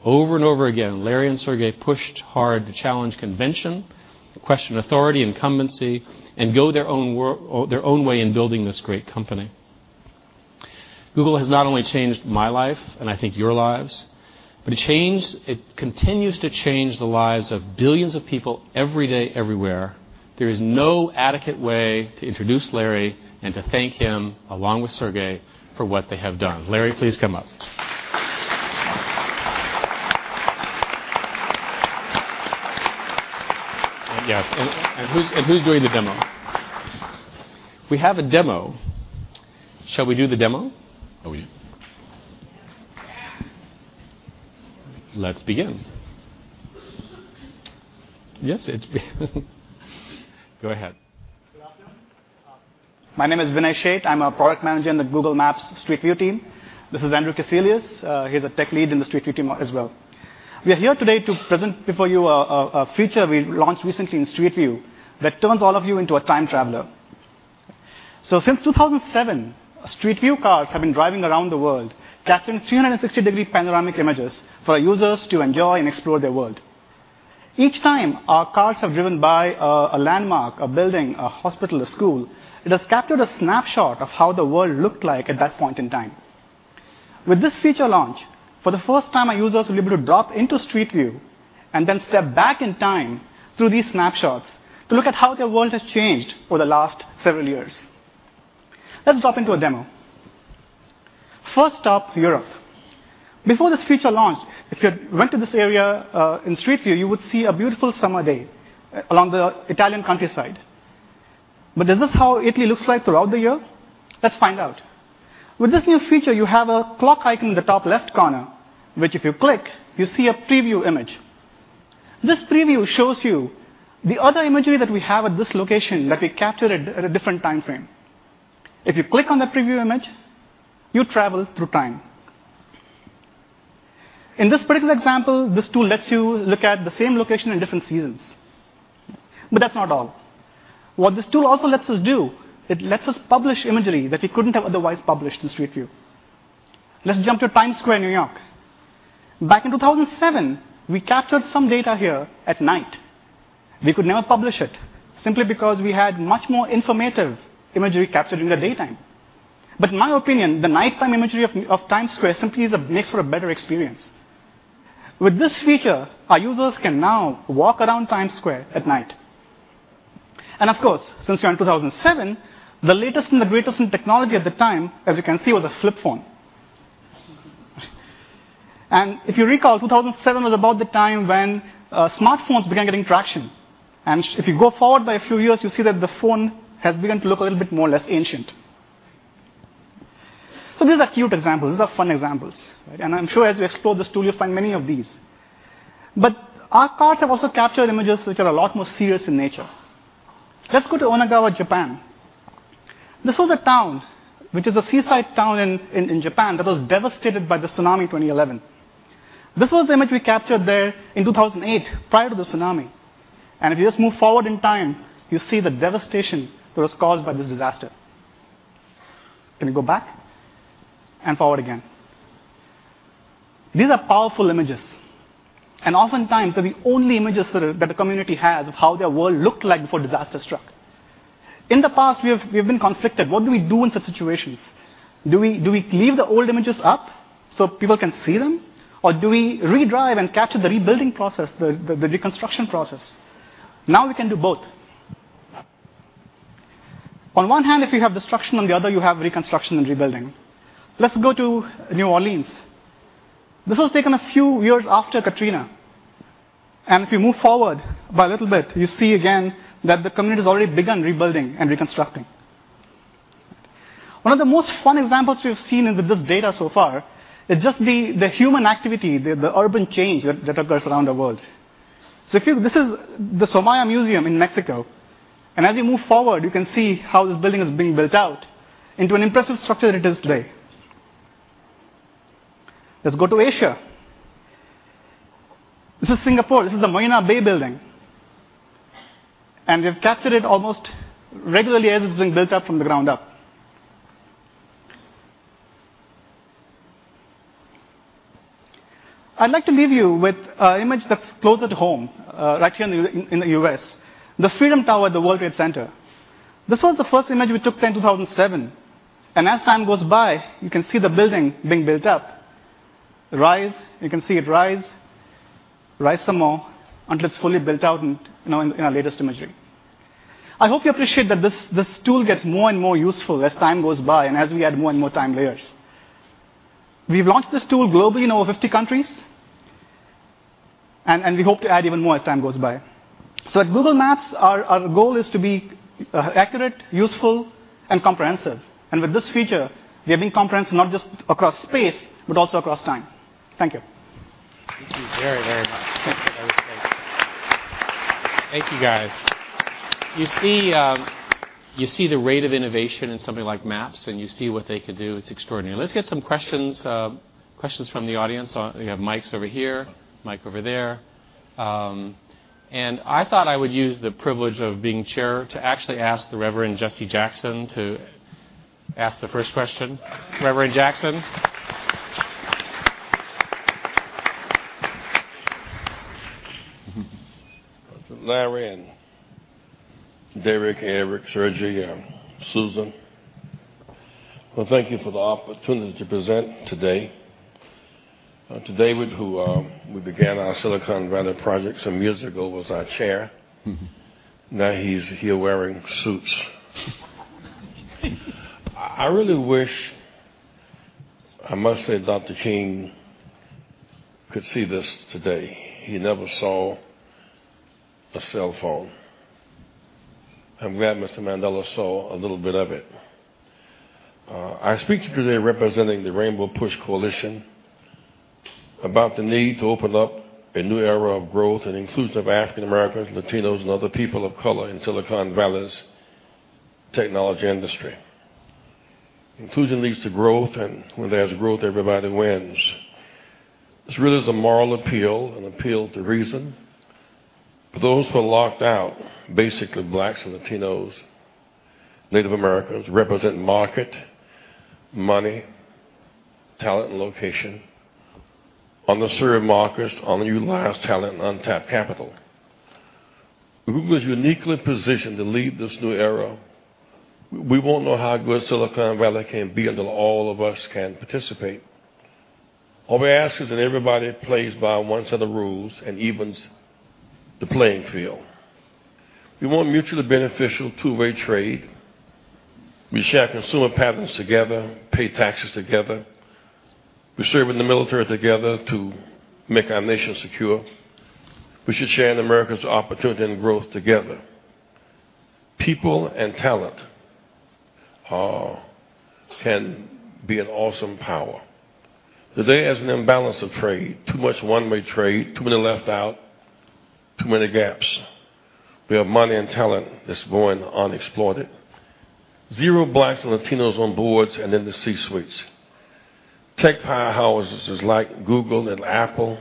Over and over again, Larry and Sergey pushed hard to challenge convention, question authority, incumbency, and go their own way in building this great company. Google has not only changed my life and I think your lives, but it continues to change the lives of billions of people every day, everywhere. There is no adequate way to introduce Larry and to thank him, along with Sergey, for what they have done. Larry, please come up. Yes. And who's doing the demo? We have a demo. Shall we do the demo? Let's begin. Yes, it's go ahead. My name is Vinay Shet. I'm a product manager in the Google Maps Street View team. This is Andrew Kaselius. He's a tech lead in the Street View team as well. We are here today to present before you a feature we launched recently in Street View that turns all of you into a time traveler. So since 2007, Street View cars have been driving around the world, capturing 360-degree panoramic images for users to enjoy and explore their world. Each time our cars have driven by a landmark, a building, a hospital, a school, it has captured a snapshot of how the world looked like at that point in time. With this feature launch, for the first time, a user is able to drop into Street View and then step back in time through these snapshots to look at how their world has changed over the last several years. Let's drop into a demo. First stop, Europe. Before this feature launched, if you went to this area in Street View, you would see a beautiful summer day along the Italian countryside. But is this how Italy looks like throughout the year? Let's find out. With this new feature, you have a clock icon in the top left corner, which if you click, you see a preview image. This preview shows you the other imagery that we have at this location that we captured at a different time frame. If you click on that preview image, you travel through time. In this particular example, this tool lets you look at the same location in different seasons. But that's not all. What this tool also lets us do, it lets us publish imagery that we couldn't have otherwise published in Street View. Let's jump to Times Square, New York. Back in 2007, we captured some data here at night. We could never publish it simply because we had much more informative imagery captured in the daytime, but in my opinion, the nighttime imagery of Times Square simply makes for a better experience. With this feature, our users can now walk around Times Square at night, and of course, since you're in 2007, the latest and the greatest in technology at the time, as you can see, was a flip phone, and if you recall, 2007 was about the time when smartphones began getting traction, and if you go forward by a few years, you see that the phone has begun to look a little bit more or less ancient, so these are cute examples. These are fun examples, and I'm sure as you explore this tool, you'll find many of these, but our cars have also captured images which are a lot more serious in nature. Let's go to Onagawa, Japan. This was a town, which is a seaside town in Japan, that was devastated by the tsunami in 2011. This was the image we captured there in 2008, prior to the tsunami, and if you just move forward in time, you see the devastation that was caused by this disaster. Can we go back and forward again. These are powerful images, and oftentimes, they're the only images that the community has of how their world looked like before disaster struck. In the past, we have been conflicted. What do we do in such situations? Do we leave the old images up so people can see them? Or do we redrive and capture the rebuilding process, the reconstruction process? Now we can do both. On one hand, if you have destruction, on the other, you have reconstruction and rebuilding. Let's go to New Orleans. This was taken a few years after Katrina, and if you move forward by a little bit, you see again that the community has already begun rebuilding and reconstructing. One of the most fun examples we've seen with this data so far is just the human activity, the urban change that occurs around the world, so this is the Soumaya Museum in Mexico, and as you move forward, you can see how this building is being built out into an impressive structure that it is today. Let's go to Asia. This is Singapore. This is the Marina Bay building, and they've captured it almost regularly as it's being built up from the ground up. I'd like to leave you with an image that's closer to home, right here in the U.S., the Freedom Tower at the World Trade Center. This was the first image we took there in 2007. As time goes by, you can see the building being built up. Rise. You can see it rise. Rise some more until it's fully built out in our latest imagery. I hope you appreciate that this tool gets more and more useful as time goes by and as we add more and more time layers. We've launched this tool globally in over 50 countries. We hope to add even more as time goes by. At Google Maps, our goal is to be accurate, useful, and comprehensive. With this feature, we are being comprehensive not just across space, but also across time. Thank you. Thank you very, very much. Thank you, guys. You see the rate of innovation in something like Maps, and you see what they could do. It's extraordinary. Let's get some questions from the audience. We have mics over here, mics over there. I thought I would use the privilege of being chair to actually ask the Reverend Jesse Jackson to ask the first question. Reverend Jackson. Larry and Sergey and Eric, Susan. Well, thank you for the opportunity to present today. David, who we began our Silicon Valley projects some years ago, was our chair. Now he's here wearing suits. I really wish, I must say, Dr. King could see this today. He never saw a cell phone. I'm glad Mr. Mandela saw a little bit of it. I speak to you today representing the Rainbow PUSH Coalition about the need to open up a new era of growth and inclusion of African Americans, Latinos, and other people of color in Silicon Valley's technology industry. Inclusion leads to growth, and when there's growth, everybody wins. This really is a moral appeal, an appeal to reason. Those who are locked out, basically Blacks and Latinos, Native Americans, represent markets, money, talent, and locations in underserved markets, underutilized talent, and untapped capital. Google is uniquely positioned to lead this new era. We won't know how good Silicon Valley can be until all of us can participate. All we ask is that everybody plays by one set of rules and evens the playing field. We want mutually beneficial two-way trade. We share consumer patterns together, pay taxes together. We serve in the military together to make our nation secure. We should share in America's opportunity and growth together. People and talent can be an awesome power. Today, there's an imbalance of trade. Too much one-way trade, too many left out, too many gaps. We have money and talent that's going unexploited. Zero Blacks and Latinos on boards and in the C-suites. Tech powerhouses like Google and Apple.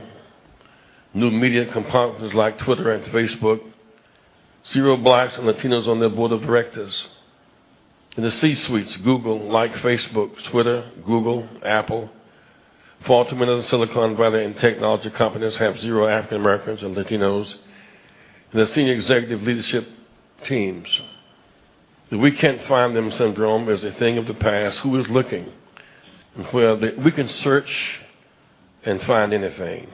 New media companies like Twitter and Facebook. Zero Blacks and Latinos on their board of directors. In the C-suites, Google like Facebook, Twitter, Google, Apple. Far too many of the Silicon Valley and technology companies have zero African Americans and Latinos in the senior executive leadership teams. The we-can't-find-them syndrome is a thing of the past. Who is looking? We can search and find anything.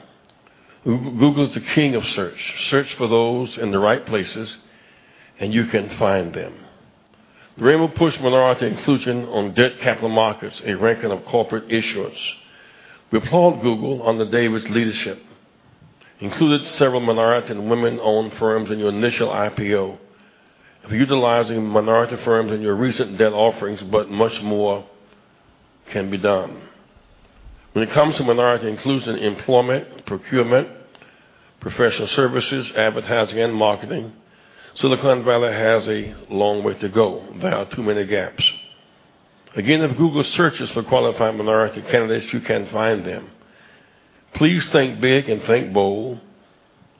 Google is the king of search. Search for those in the right places, and you can find them. The Rainbow PUSH Minority Inclusion on Debt Capital Markets, a ranking of corporate issuers. We applaud Google on the diversity of its leadership. Included several minority and women-owned firms in your initial IPO. Utilizing minority firms in your recent debt offerings, but much more can be done. When it comes to minority inclusion in employment, procurement, professional services, advertising, and marketing, Silicon Valley has a long way to go. There are too many gaps. Again, if Google searches for qualified minority candidates, you can find them. Please think big and think bold.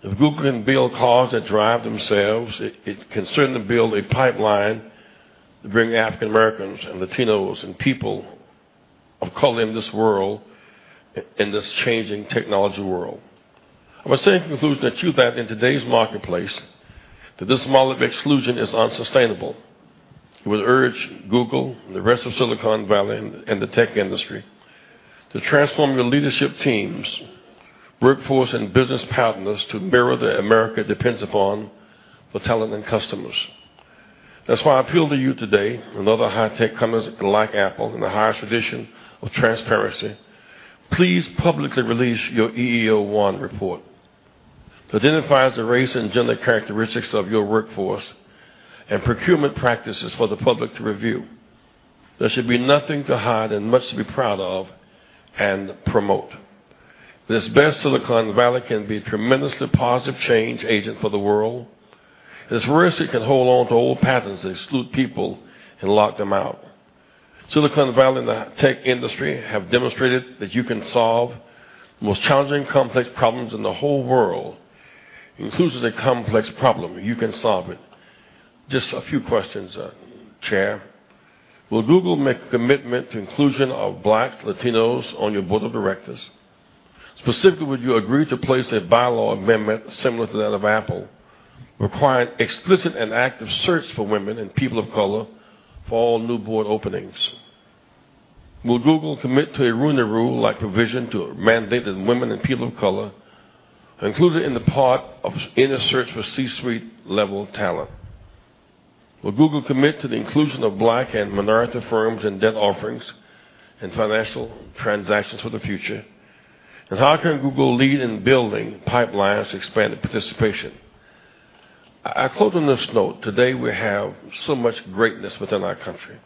If Google can build cars that drive themselves, it can certainly build a pipeline to bring African Americans and Latinos and people of color in this world, in this changing technology world. I would say in conclusion that, that in today's marketplace, this model of exclusion is unsustainable. I would urge Google and the rest of Silicon Valley and the tech industry to transform your leadership teams, workforce, and business partners to mirror the America it depends upon for talent and customers. That's why I appeal to you today and other high-tech companies like Apple in the highest tradition of transparency. Please publicly release your EEO-1 Report. It identifies the race and gender characteristics of your workforce and procurement practices for the public to review. There should be nothing to hide and much to be proud of and promote. This best Silicon Valley can be a tremendously positive change agent for the world. It's rare it can hold on to old patterns that exclude people and lock them out. Silicon Valley and the tech industry have demonstrated that you can solve the most challenging complex problems in the whole world. Inclusion is a complex problem. You can solve it. Just a few questions, Chair. Will Google make a commitment to inclusion of Blacks, Latinos, on your board of directors? Specifically, would you agree to place a bylaw amendment similar to that of Apple, requiring explicit and active search for women and people of color for all new board openings? Will Google commit to a rule-under-rule-like provision to mandate that women and people of color are included in the part of any search for C-suite-level talent? Will Google commit to the inclusion of Black and minority firms in debt offerings and financial transactions for the future? And how can Google lead in building pipelines to expand participation? I quote on this note, "Today, we have so much greatness within our country.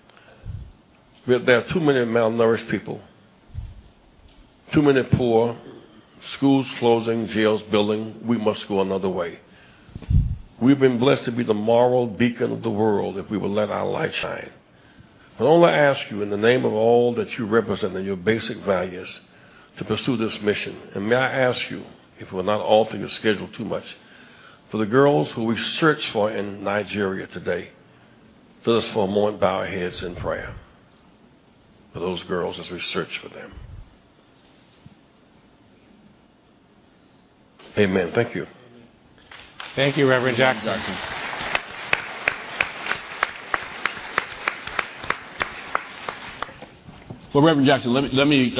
There are too many malnourished people, too many poor. Schools closing, jails building. We must go another way. We've been blessed to be the moral beacon of the world if we will let our light shine. But I only ask you, in the name of all that you represent and your basic values, to pursue this mission. And may I ask you, if we're not altering your schedule too much, for the girls who we search for in Nigeria today, those four more bow our heads in prayer for those girls as we search for them. Amen. Thank you. Thank you, Reverend Jackson. Well, Reverend Jackson, let me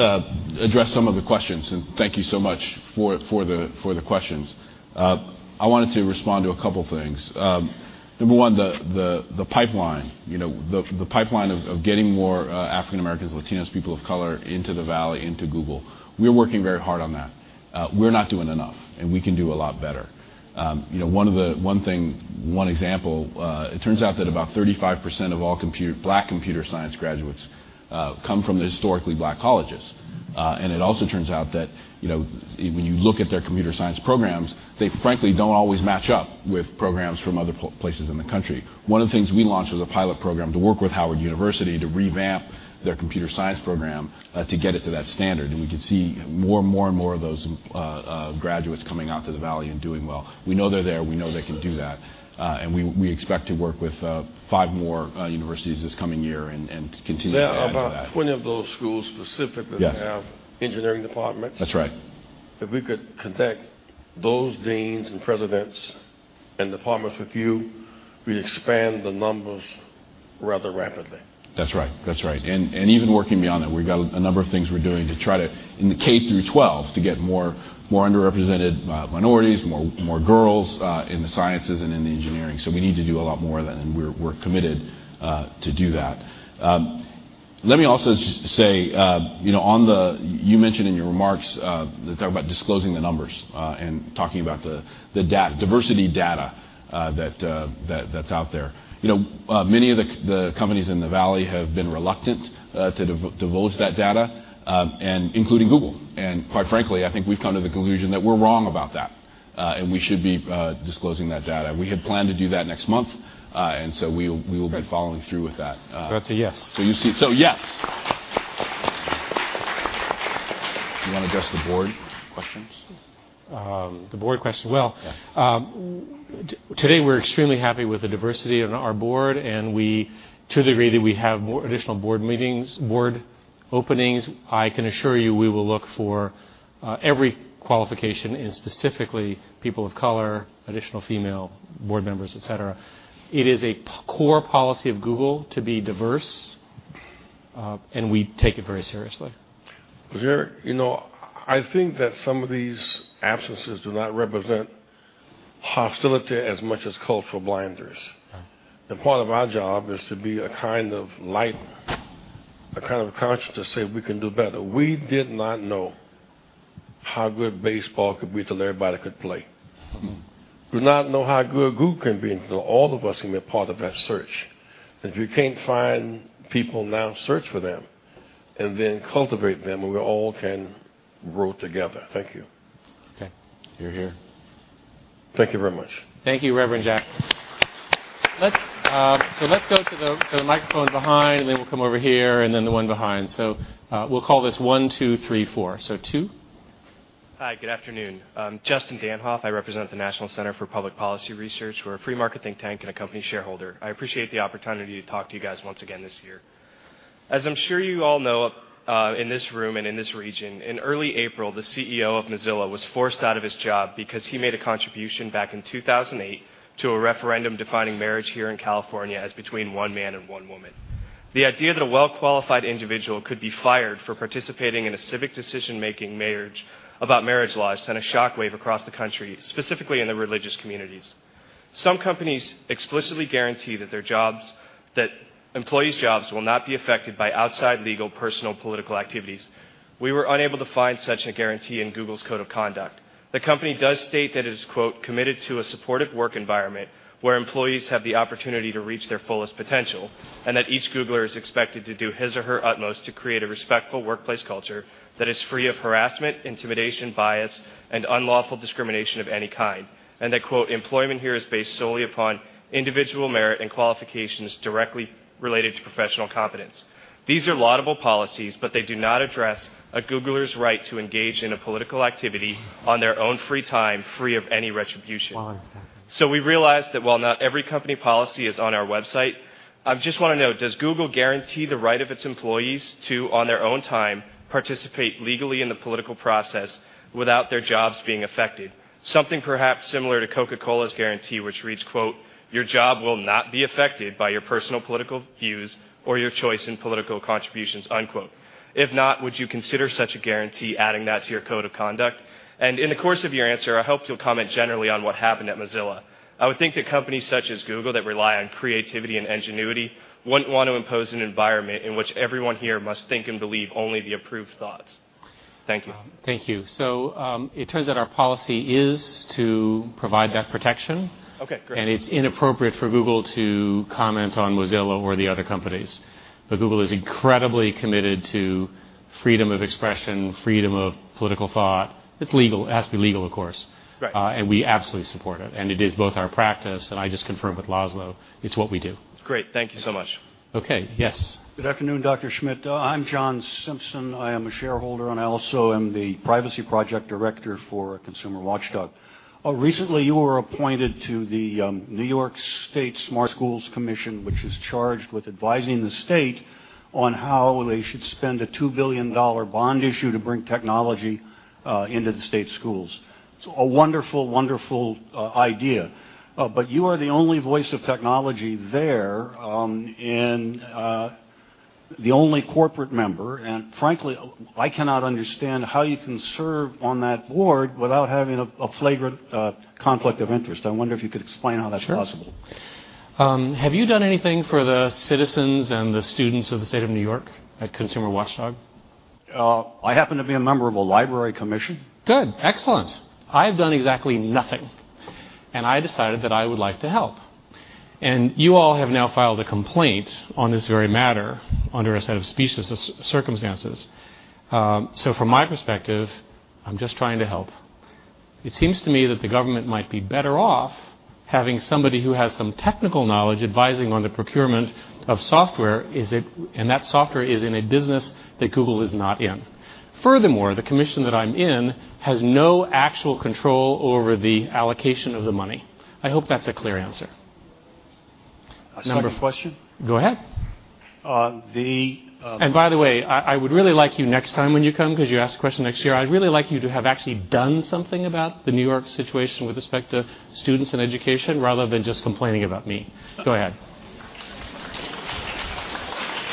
address some of the questions. And thank you so much for the questions. I wanted to respond to a couple of things. Number one, the pipeline. The pipeline of getting more African Americans, Latinos, people of color into the Valley, into Google. We're working very hard on that. We're not doing enough, and we can do a lot better. One thing, one example, it turns out that about 35% of all Black computer science graduates come from historically Black colleges. And it also turns out that when you look at their computer science programs, they, frankly, don't always match up with programs from other places in the country. One of the things we launched was a pilot program to work with Howard University to revamp their computer science program to get it to that standard. And we can see more and more and more of those graduates coming out to the Valley and doing well. We know they're there. We know they can do that. And we expect to work with five more universities this coming year and continue to do that. There are about 20 of those schools specifically that have engineering departments. That's right. That's right. And even working beyond that, we've got a number of things we're doing to try to, in the K through 12, to get more underrepresented minorities, more girls in the sciences and in the engineering. So we need to do a lot more of that, and we're committed to do that. Let me also just say, you mentioned in your remarks that they're about disclosing the numbers and talking about the diversity data that's out there. Many of the companies in the Valley have been reluctant to divulge that data, including Google. And quite frankly, I think we've come to the conclusion that we're wrong about that, and we should be disclosing that data. We had planned to do that next month, and so we will be following through with that. That's a yes. So you see, so yes. You want to address the board questions? The board question. Today, we're extremely happy with the diversity on our board. To the degree that we have more additional board openings, I can assure you we will look for every qualification and specifically people of color, additional female board members, etc. It is a core policy of Google to be diverse, and we take it very seriously. I think that some of these absences do not represent hostility as much as cultural blinders. Part of our job is to be a kind of light, a kind of conscience to say we can do better. We did not know how good baseball could be until everybody could play. We do not know how good Google can be, until all of us can be a part of that search. If you can't find people, now search for them and then cultivate them, and we all can grow together. Thank you. Okay. You're here. Thank you very much. Thank you, Reverend Jackson. So let's go to the microphone behind, and then we'll come over here, and then the one behind. So we'll call this one, two, three, four. So two. Hi. Good afternoon. I'm Justin Danhof. I represent the National Center for Public Policy Research. We're a free-market think tank and a company shareholder. I appreciate the opportunity to talk to you guys once again this year. As I'm sure you all know in this room and in this region, in early April, the CEO of Mozilla was forced out of his job because he made a contribution back in 2008 to a referendum defining marriage here in California as between one man and one woman. The idea that a well-qualified individual could be fired for participating in a civic decision-making process about marriage laws sent a shockwave across the country, specifically in the religious communities. Some companies explicitly guarantee that their jobs, that employees' jobs will not be affected by outside legal, personal, political activities. We were unable to find such a guarantee in Google's Code of Conduct. The company does state that it is, quote, "committed to a supportive work environment where employees have the opportunity to reach their fullest potential," and that each Googler is expected to do his or her utmost to create a respectful workplace culture that is free of harassment, intimidation, bias, and unlawful discrimination of any kind, and that, quote, "employment here is based solely upon individual merit and qualifications directly related to professional competence." These are laudable policies, but they do not address a Googler's right to engage in a political activity on their own free time, free of any retribution. So we realize that while not every company policy is on our website, I just want to know, does Google guarantee the right of its employees to, on their own time, participate legally in the political process without their jobs being affected? Something perhaps similar to Coca-Cola's guarantee, which reads, "Your job will not be affected by your personal political views or your choice in political contributions,". If not, would you consider such a guarantee, adding that to your Code of Conduct? And in the course of your answer, I hope you'll comment generally on what happened at Mozilla. I would think that companies such as Google that rely on creativity and ingenuity wouldn't want to impose an environment in which everyone here must think and believe only the approved thoughts. Thank you. Thank you. So it turns out our policy is to provide that protection. Okay. Great. And it's inappropriate for Google to comment on Mozilla or the other companies. But Google is incredibly committed to freedom of expression, freedom of political thought. It's legal. It has to be legal, of course. And we absolutely support it. And it is both our practice, and I just confirmed with Laszlo. It's what we do. Great. Thank you so much. Okay. Yes. Good afternoon, Dr. Schmidt. I'm John Simpson. I am a shareholder, and I also am the Privacy Project Director for Consumer Watchdog. Recently, you were appointed to the New York State Smart Schools Commission, which is charged with advising the state on how they should spend a $2 billion bond issue to bring technology into the state schools. It's a wonderful, wonderful idea. But you are the only voice of technology there and the only corporate member. And frankly, I cannot understand how you can serve on that board without having a flagrant conflict of interest. I wonder if you could explain how that's possible. Sure. Have you done anything for the citizens and the students of the state of New York at Consumer Watchdog? I happen to be a member of a library commission. Good. Excellent. I have done exactly nothing. And I decided that I would like to help. And you all have now filed a complaint on this very matter under a set of species of circumstances. So from my perspective, I'm just trying to help. It seems to me that the government might be better off having somebody who has some technical knowledge advising on the procurement of software, and that software is in a business that Google is not in. Furthermore, the commission that I'm in has no actual control over the allocation of the money. I hope that's a clear answer. A second question? Go ahead. And by the way, I would really like you next time when you come, because you asked a question next year. I'd really like you to have actually done something about the New York situation with respect to students and education rather than just complaining about me. Go ahead.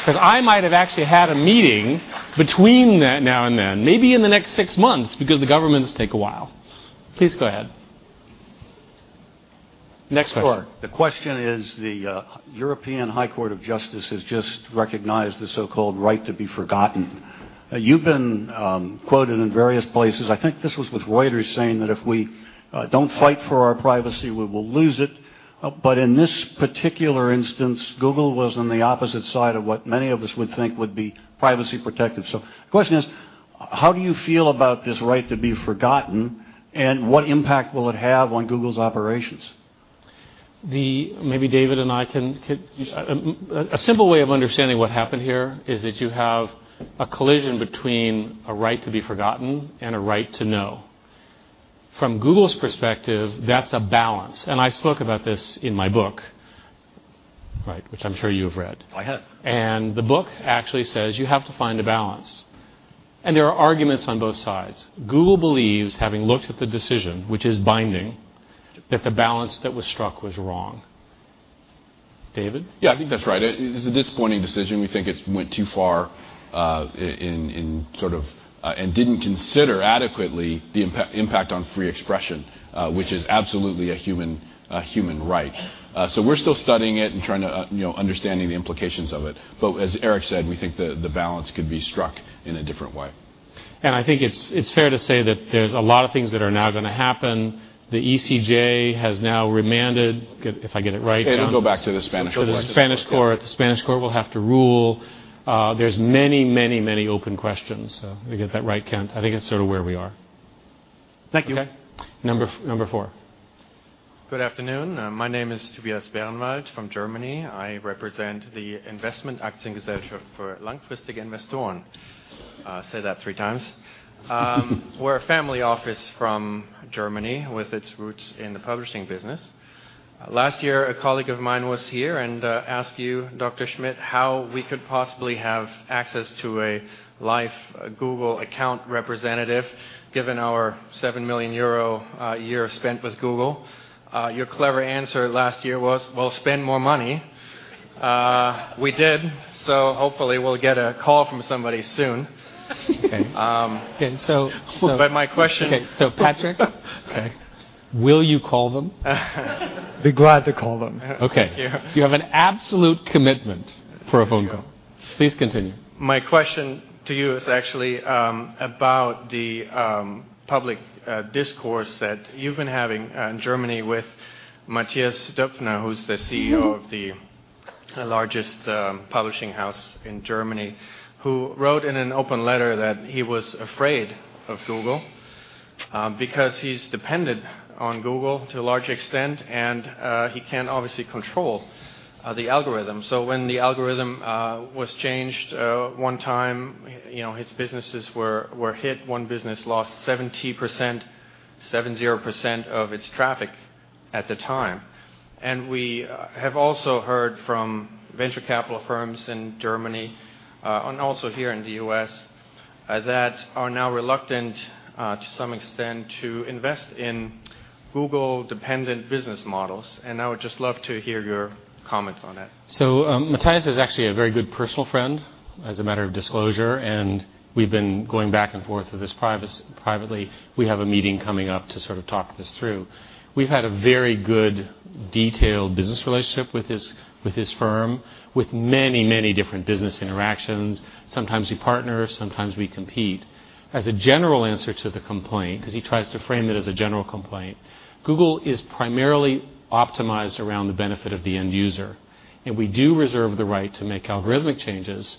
Because I might have actually had a meeting between now and then, maybe in the next six months, because the governments take a while. Please go ahead. Next question. Sure. The question is the European Court of Justice has just recognized the so-called Right to be Forgotten. You've been quoted in various places. I think this was with Reuters saying that if we don't fight for our privacy, we will lose it. But in this particular instance, Google was on the opposite side of what many of us would think would be privacy protective. The question is, how do you feel about this Right to be Forgotten, and what impact will it have on Google's operations? Maybe David and I can find a simple way of understanding what happened here: that you have a collision between a Right to be Forgotten and a right to know. From Google's perspective, that's a balance. And I spoke about this in my book, right, which I'm sure you've read. I have. And the book actually says you have to find a balance. And there are arguments on both sides. Google believes, having looked at the decision, which is binding, that the balance that was struck was wrong. David? Yeah, I think that's right. It's a disappointing decision. We think it went too far, sort of, and didn't consider adequately the impact on free expression, which is absolutely a human right. So we're still studying it and trying to understand the implications of it. But as Eric said, we think the balance could be struck in a different way. I think it's fair to say that there's a lot of things that are now going to happen. The ECJ has now remanded, if I get it right. And it'll go back to the Spanish court. The Spanish court. The Spanish court will have to rule. There's many, many, many open questions. We get that right, Kent? I think that's sort of where we are. Thank you. Okay. Number four. Good afternoon. My name is Tobias Behrnewaldt from Germany. I represent the Investmentaktiengesellschaft für langfristige Investoren. I said that three times. We're a family office from Germany with its roots in the publishing business. Last year, a colleague of mine was here and asked you, Dr. Schmidt, how we could possibly have access to a live Google account representative given our 7 million euro a year spent with Google. Your clever answer last year was, "Well, spend more money." We did. So hopefully, we'll get a call from somebody soon. Okay. So my question. So Patrick? Okay. Will you call them? Be glad to call them. Okay. Thank you. You have an absolute commitment for a phone call. Please continue. My question to you is actually about the public discourse that you've been having in Germany with Mathias Döpfner, who's the CEO of the largest publishing house in Germany, who wrote in an open letter that he was afraid of Google because he's dependent on Google to a large extent, and he can't obviously control the algorithm. So when the algorithm was changed one time, his businesses were hit. One business lost 70%, 70% of its traffic at the time, and we have also heard from venture capital firms in Germany and also here in the U.S. that are now reluctant, to some extent, to invest in Google-dependent business models, and I would just love to hear your comments on that. So Mathias is actually a very good personal friend, as a matter of disclosure. And we've been going back and forth with this privately. We have a meeting coming up to sort of talk this through. We've had a very good, detailed business relationship with his firm, with many, many different business interactions. Sometimes we partner. Sometimes we compete. As a general answer to the complaint, because he tries to frame it as a general complaint, Google is primarily optimized around the benefit of the end-user. We do reserve the right to make algorithmic changes,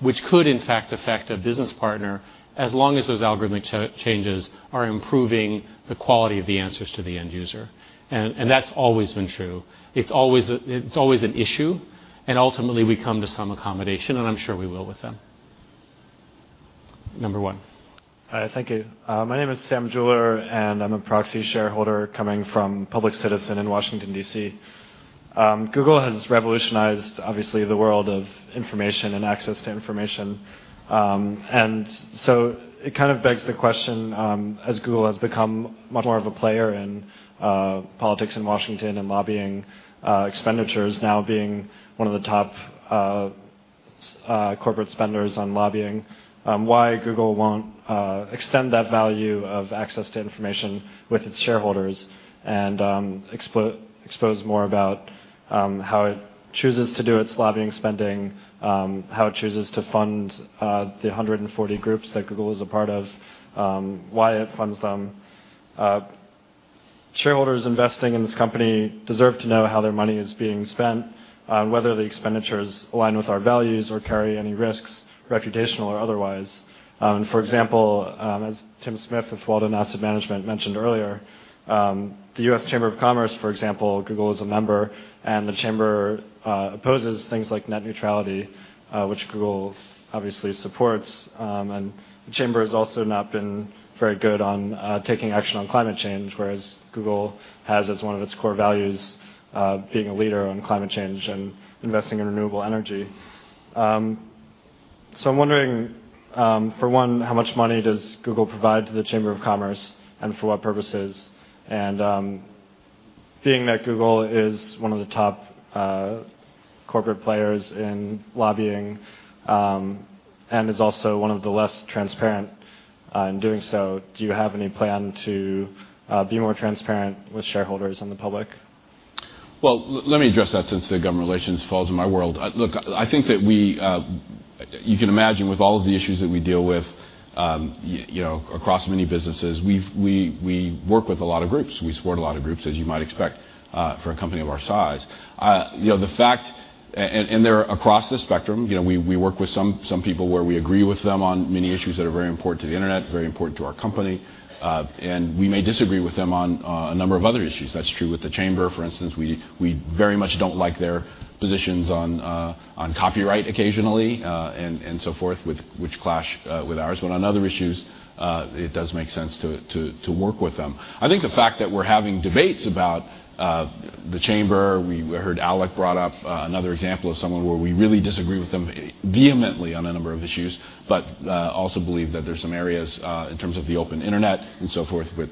which could, in fact, affect a business partner as long as those algorithmic changes are improving the quality of the answers to the end user. And that's always been true. It's always an issue. And ultimately, we come to some accommodation, and I'm sure we will with them. Number one. Thank you. My name is Sam Jewler, and I'm a Proxy Shareholder coming from Public Citizen in Washington, D.C. Google has revolutionized, obviously, the world of information and access to information. And so it kind of begs the question, as Google has become much more of a player in politics in Washington and lobbying, expenditures now being one of the top corporate spenders on lobbying, why Google won't extend that value of access to information with its shareholders and expose more about how it chooses to do its lobbying spending, how it chooses to fund the 140 groups that Google is a part of, why it funds them. Shareholders investing in this company deserve to know how their money is being spent, whether the expenditures align with our values or carry any risks, reputational or otherwise. For example, as Tim Smith of Walden Asset Management mentioned earlier, the U.S. Chamber of Commerce, for example, Google is a member, and the chamber opposes things like net neutrality, which Google obviously supports. The chamber has also not been very good on taking action on climate change, whereas Google has as one of its core values being a leader on climate change and investing in renewable energy. So I'm wondering, for one, how much money does Google provide to the Chamber of Commerce and for what purposes? And being that Google is one of the top corporate players in lobbying and is also one of the less transparent in doing so, do you have any plan to be more transparent with shareholders and the public? Let me address that since the government relations falls in my world. Look, I think that you can imagine, with all of the issues that we deal with across many businesses, we work with a lot of groups. We support a lot of groups, as you might expect, for a company of our size. The fact and they're across the spectrum. We work with some people where we agree with them on many issues that are very important to the internet, very important to our company, and we may disagree with them on a number of other issues. That's true with the chamber. For instance, we very much don't like their positions on copyright occasionally and so forth, which clash with ours. But on other issues, it does make sense to work with them. I think the fact that we're having debates about the chamber, we heard ALEC brought up another example of someone where we really disagree with them vehemently on a number of issues, but also believe that there are some areas in terms of the Open Internet and so forth where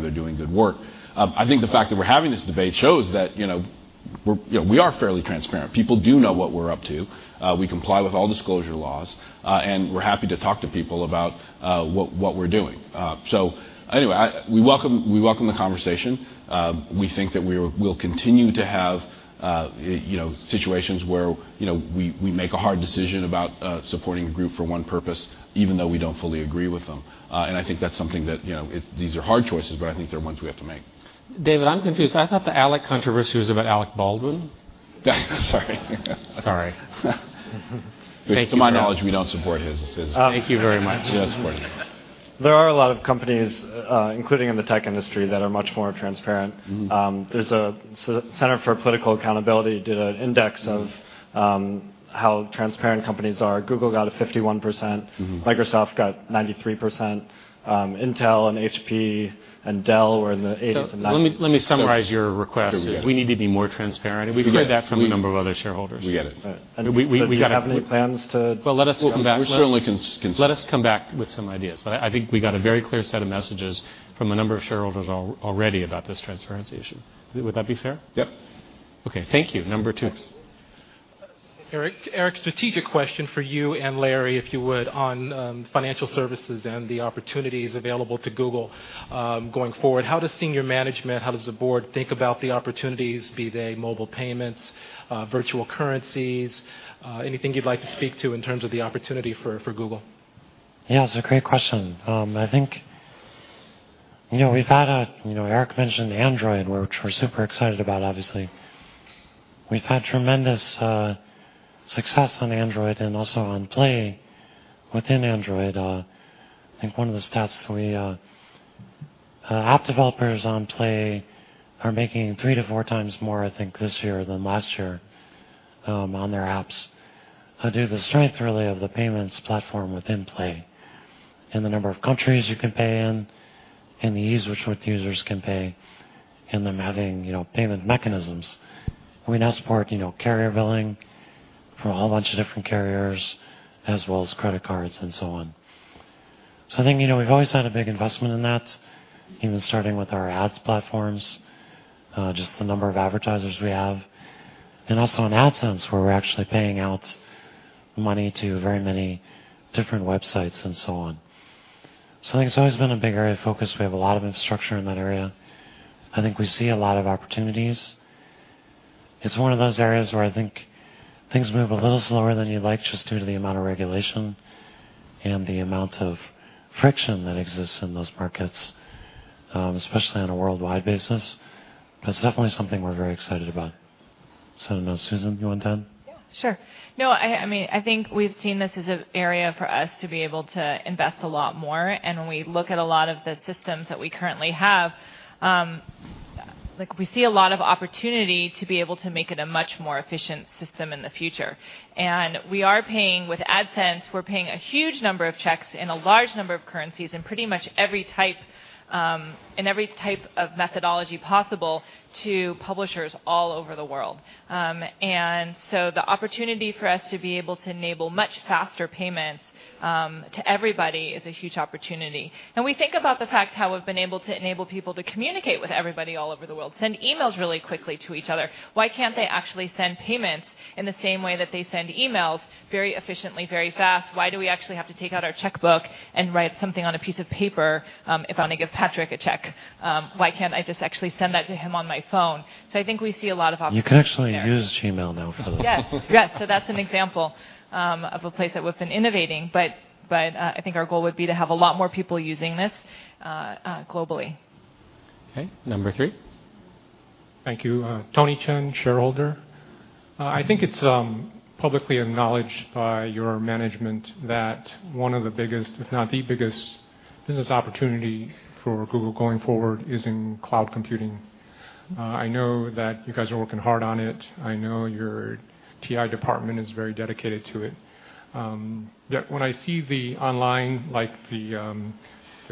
they're doing good work. I think the fact that we're having this debate shows that we are fairly transparent. People do know what we're up to. We comply with all disclosure laws, and we're happy to talk to people about what we're doing. So anyway, we welcome the conversation. We think that we will continue to have situations where we make a hard decision about supporting a group for one purpose, even though we don't fully agree with them. And I think that's something that these are hard choices, but I think they're ones we have to make. David, I'm confused. I thought the ALEC controversy was about Alec Baldwin. Sorry. Sorry. Thank you. To my knowledge, we don't support his. Thank you very much. We don't support him. There are a lot of companies, including in the tech industry, that are much more transparent. There's a Center for Political Accountability did an index of how transparent companies are. Google got a 51%. Microsoft got 93%. Intel and HP and Dell were in the 80s and 90s. Let me summarize your request. We need to be more transparent, and we've heard that from a number of other shareholders. We get it, and we've got to have any plans to well, let us come back. We'll certainly consider. Let us come back with some ideas, but I think we got a very clear set of messages from a number of shareholders already about this transparency issue. Would that be fair? Yep. Okay. Thank you. Number two. Eric, strategic question for you and Larry, if you would, on financial services and the opportunities available to Google going forward. How does senior management, how does the board think about the opportunities, be they mobile payments, virtual currencies, anything you'd like to speak to in terms of the opportunity for Google? Yeah, that's a great question. I think we've had, as Eric mentioned, Android, which we're super excited about, obviously. We've had tremendous success on Android and also on Play within Android. I think one of the stats that app developers on Play are making three to four times more, I think, this year than last year on their apps due to the strength, really, of the payments platform within Play and the number of countries you can pay in and the ease with which users can pay and them having payment mechanisms. We now support carrier billing for a whole bunch of different carriers, as well as credit cards and so on. So I think we've always had a big investment in that, even starting with our ads platforms, just the number of advertisers we have, and also on AdSense, where we're actually paying out money to very many different websites and so on. So I think it's always been a big area of focus. We have a lot of infrastructure in that area. I think we see a lot of opportunities. It's one of those areas where I think things move a little slower than you'd like just due to the amount of regulation and the amount of friction that exists in those markets, especially on a worldwide basis. But it's definitely something we're very excited about. So I don't know, Susan, do you want to add? Yeah. Sure. No, I mean, I think we've seen this as an area for us to be able to invest a lot more. And when we look at a lot of the systems that we currently have, we see a lot of opportunity to be able to make it a much more efficient system in the future. And we are paying with AdSense. We're paying a huge number of checks in a large number of currencies in pretty much every type of methodology possible to publishers all over the world. And so the opportunity for us to be able to enable much faster payments to everybody is a huge opportunity. And we think about the fact how we've been able to enable people to communicate with everybody all over the world, send emails really quickly to each other. Why can't they actually send payments in the same way that they send emails very efficiently, very fast? Why do we actually have to take out our checkbook and write something on a piece of paper if I want to give Patrick a check? Why can't I just actually send that to him on my phone? So I think we see a lot of opportunities. You can actually use Gmail now for this. Yeah. Yeah. So that's an example of a place that we've been innovating. But I think our goal would be to have a lot more people using this globally. Okay. Number three. Thank you. Tony Chen, shareholder. I think it's publicly acknowledged by your management that one of the biggest, if not the biggest, business opportunity for Google going forward is in cloud computing. I know that you guys are working hard on it. I know your TI Department is very dedicated to it. When I see the online, like the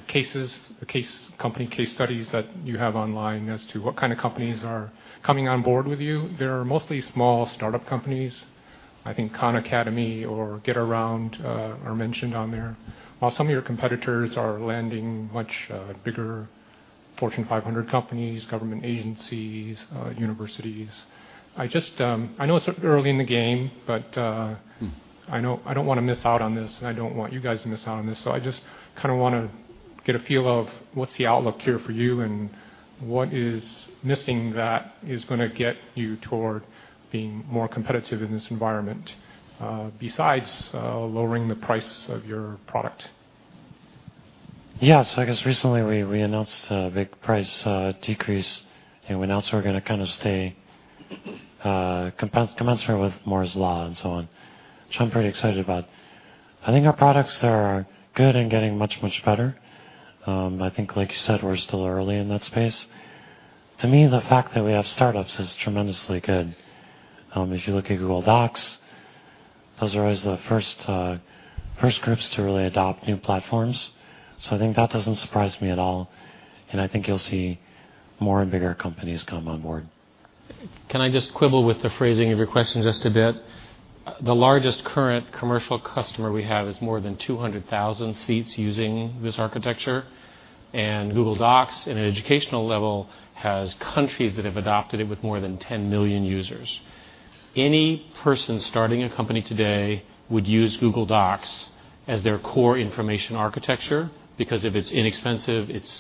cases, the company case studies that you have online as to what kind of companies are coming on board with you, there are mostly small startup companies. I think Khan Academy or Getaround are mentioned on there. While some of your competitors are landing much bigger Fortune 500 companies, government agencies, universities. I know it's early in the game, but I don't want to miss out on this, and I don't want you guys to miss out on this. So I just kind of want to get a feel of what's the outlook here for you and what is missing that is going to get you toward being more competitive in this environment besides lowering the price of your product. Yeah. So I guess recently we announced a big price decrease, and we announced we're going to kind of stay commensurate with Moore's Law and so on, which I'm pretty excited about. I think our products are good and getting much, much better. I think, like you said, we're still early in that space. To me, the fact that we have startups is tremendously good. If you look at Google Docs, those are always the first groups to really adopt new platforms. So I think that doesn't surprise me at all. And I think you'll see more and bigger companies come on board. Can I just quibble with the phrasing of your question just a bit? The largest current commercial customer we have is more than 200,000 seats using this architecture. And Google Docs, in an educational level, has countries that have adopted it with more than 10 million users. Any person starting a company today would use Google Docs as their core information architecture because if it's inexpensive, its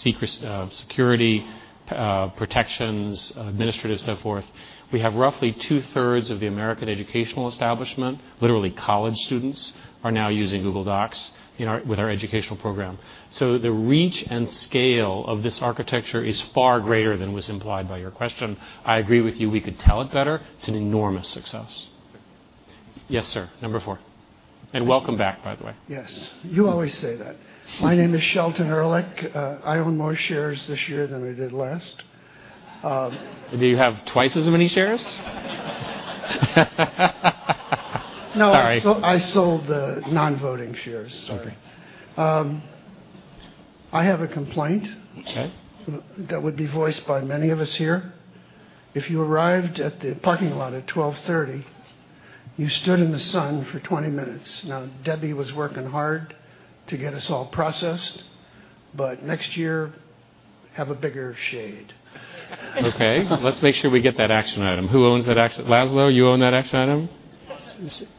security, protections, administrative, so forth. We have roughly two-thirds of the American educational establishment, literally college students, are now using Google Docs with our educational program. So the reach and scale of this architecture is far greater than was implied by your question. I agree with you. We could tell it better. It's an enormous success. Yes, sir. Number four. And welcome back, by the way. Yes. You always say that. My name is Shelton Ehrlich. I own more shares this year than I did last. Do you have twice as many shares? No. Sorry. I sold the non-voting shares. I have a complaint that would be voiced by many of us here. If you arrived at the parking lot at 12:30 P.M., you stood in the sun for 20 minutes. Now, Debbie was working hard to get us all processed. But next year, have a bigger shade. Okay. Let's make sure we get that action item. Who owns that action? Laszlo, you own that action item?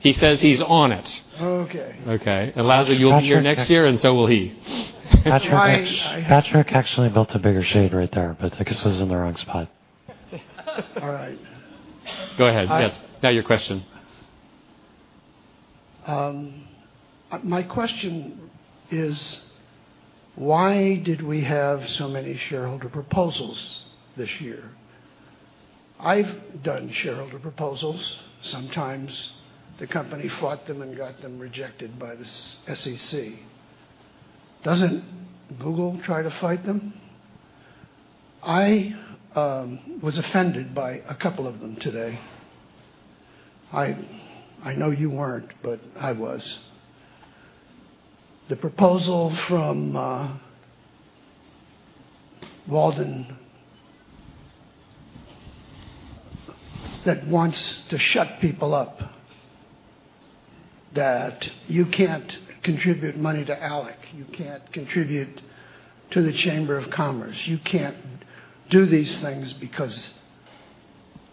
He says he's on it. Okay. Okay. And Laszlo, you'll be here next year, and so will he. Patrick actually built a bigger shade right there, but I guess it was in the wrong spot. All right. Go ahead. Yes. Now your question. My question is, why did we have so many shareholder proposals this year? I've done shareholder proposals. Sometimes the company fought them and got them rejected by the SEC. Doesn't Google try to fight them? I was offended by a couple of them today. I know you weren't, but I was. The proposal from Walden that wants to shut people up, that you can't contribute money to ALEC, you can't contribute to the Chamber of Commerce, you can't do these things because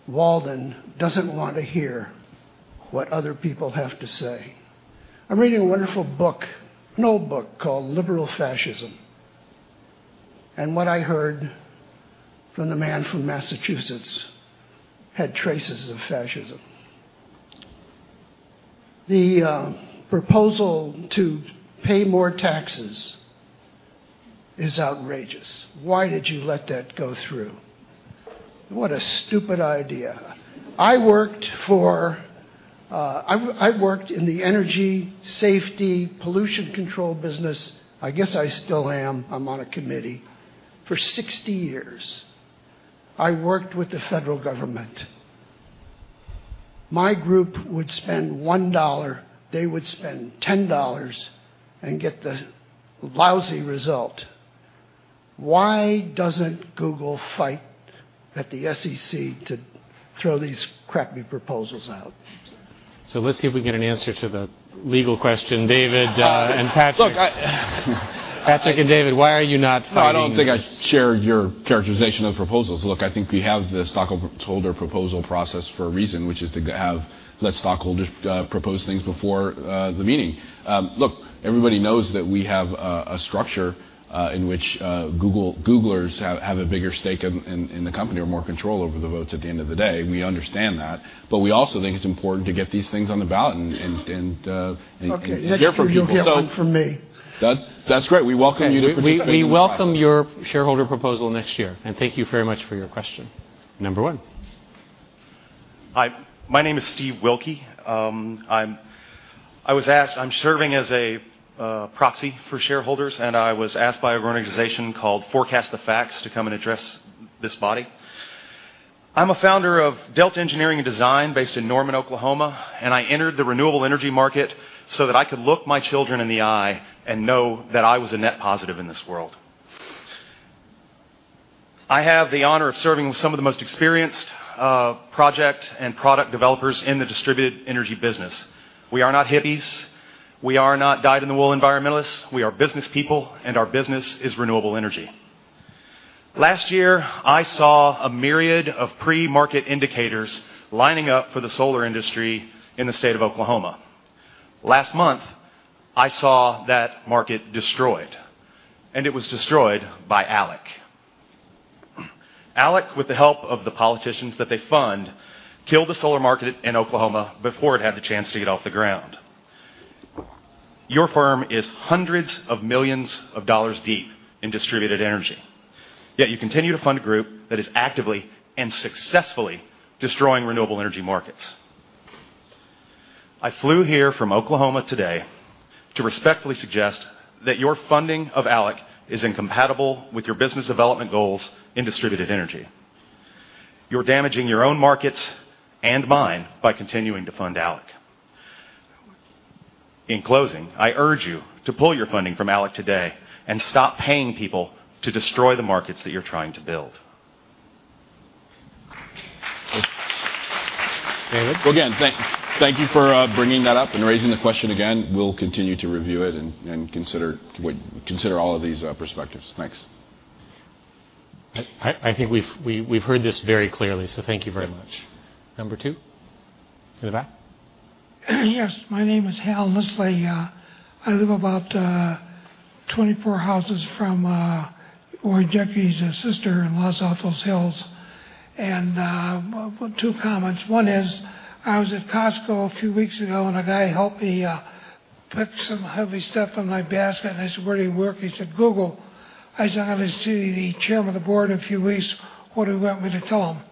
Walden doesn't want to hear what other people have to say. I'm reading a wonderful book, an old book called Liberal Fascism. And what I heard from the man from Massachusetts had traces of fascism. The proposal to pay more taxes is outrageous. Why did you let that go through? What a stupid idea. I worked in the energy, safety, pollution control business. I guess I still am. I'm on a committee for 60 years. I worked with the federal government. My group would spend $1. They would spend $10 and get the lousy result. Why doesn't Google fight at the SEC to throw these crappy proposals out? So let's see if we can get an answer to the legal question, David and Patrick. Look, Patrick and David, why are you not fighting? Well, I don't think I share your characterization of proposals. Look, I think we have the stockholder proposal process for a reason, which is to have let stockholders propose things before the meeting. Look, everybody knows that we have a structure in which Googlers have a bigger stake in the company or more control over the votes at the end of the day. We understand that. But we also think it's important to get these things on the ballot and hear from you. Okay. That's good. You'll hear more from me. That's great. We welcome you to participate. We welcome your shareholder proposal next year. And thank you very much for your question. Number one. Hi. My name is Steve Wilke. I was asked. I'm serving as a proxy for shareholders, and I was asked by an organization called Forecast the Facts to come and address this body. I'm a founder of Delta Engineering and Design based in Norman, Oklahoma, and I entered the renewable energy market so that I could look my children in the eye and know that I was a net positive in this world. I have the honor of serving with some of the most experienced project and product developers in the Distributed Energy business. We are not hippies. We are not dyed-in-the-wool environmentalists. We are business people, and our business is renewable energy. Last year, I saw a myriad of pre-market indicators lining up for the solar industry in the state of Oklahoma. Last month, I saw that market destroyed, and it was destroyed by ALEC. ALEC, with the help of the politicians that they fund, killed the solar market in Oklahoma before it had the chance to get off the ground. Your firm is hundreds of millions of dollars deep in Distributed Energy. Yet you continue to fund a group that is actively and successfully destroying renewable energy markets. I flew here from Oklahoma today to respectfully suggest that your funding of ALEC is incompatible with your business development goals in Distributed Energy. You're damaging your own markets and mine by continuing to fund ALEC. In closing, I urge you to pull your funding from ALEC today and stop paying people to destroy the markets that you're trying to build. David? Again, thank you for bringing that up and raising the question again. We'll continue to review it and consider all of these perspectives. Thanks. I think we've heard this very clearly, so thank you very much. Number two in the back. Yes. My name is Hal. I live about 24 houses from where Jeffrey's sister in Los Altos Hills. And two comments. One is I was at Costco a few weeks ago, and a guy helped me pick some heavy stuff from my basket. And I said, "Where do you work?" He said, "Google." I said, "I'm going to see the chairman of the board in a few weeks. What do you want me to tell him?"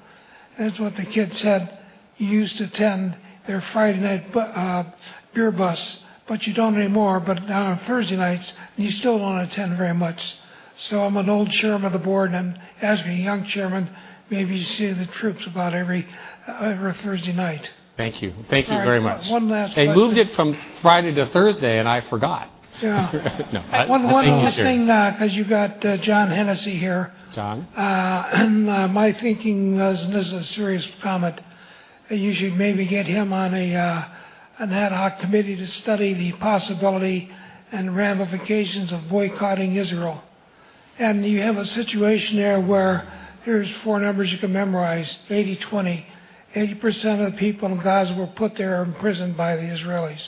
And that's what the kid said. He used to attend their Friday night beer bus, but you don't anymore. But now on Thursday nights, you still don't attend very much. So I'm an old chairman of the board. And as a young chairman, maybe you see the troops about every Thursday night. Thank you. Thank you very much. One last question. They moved it from Friday to Thursday, and I forgot. Yeah. One last thing because you got John Hennessy here. John? And my thinking was this is a serious comment. You should maybe get him on an ad hoc committee to study the possibility and ramifications of boycotting Israel. You have a situation there where here are four numbers you can memorize: 80/20. 80% of the people in Gaza were put there in prison by the Israelis.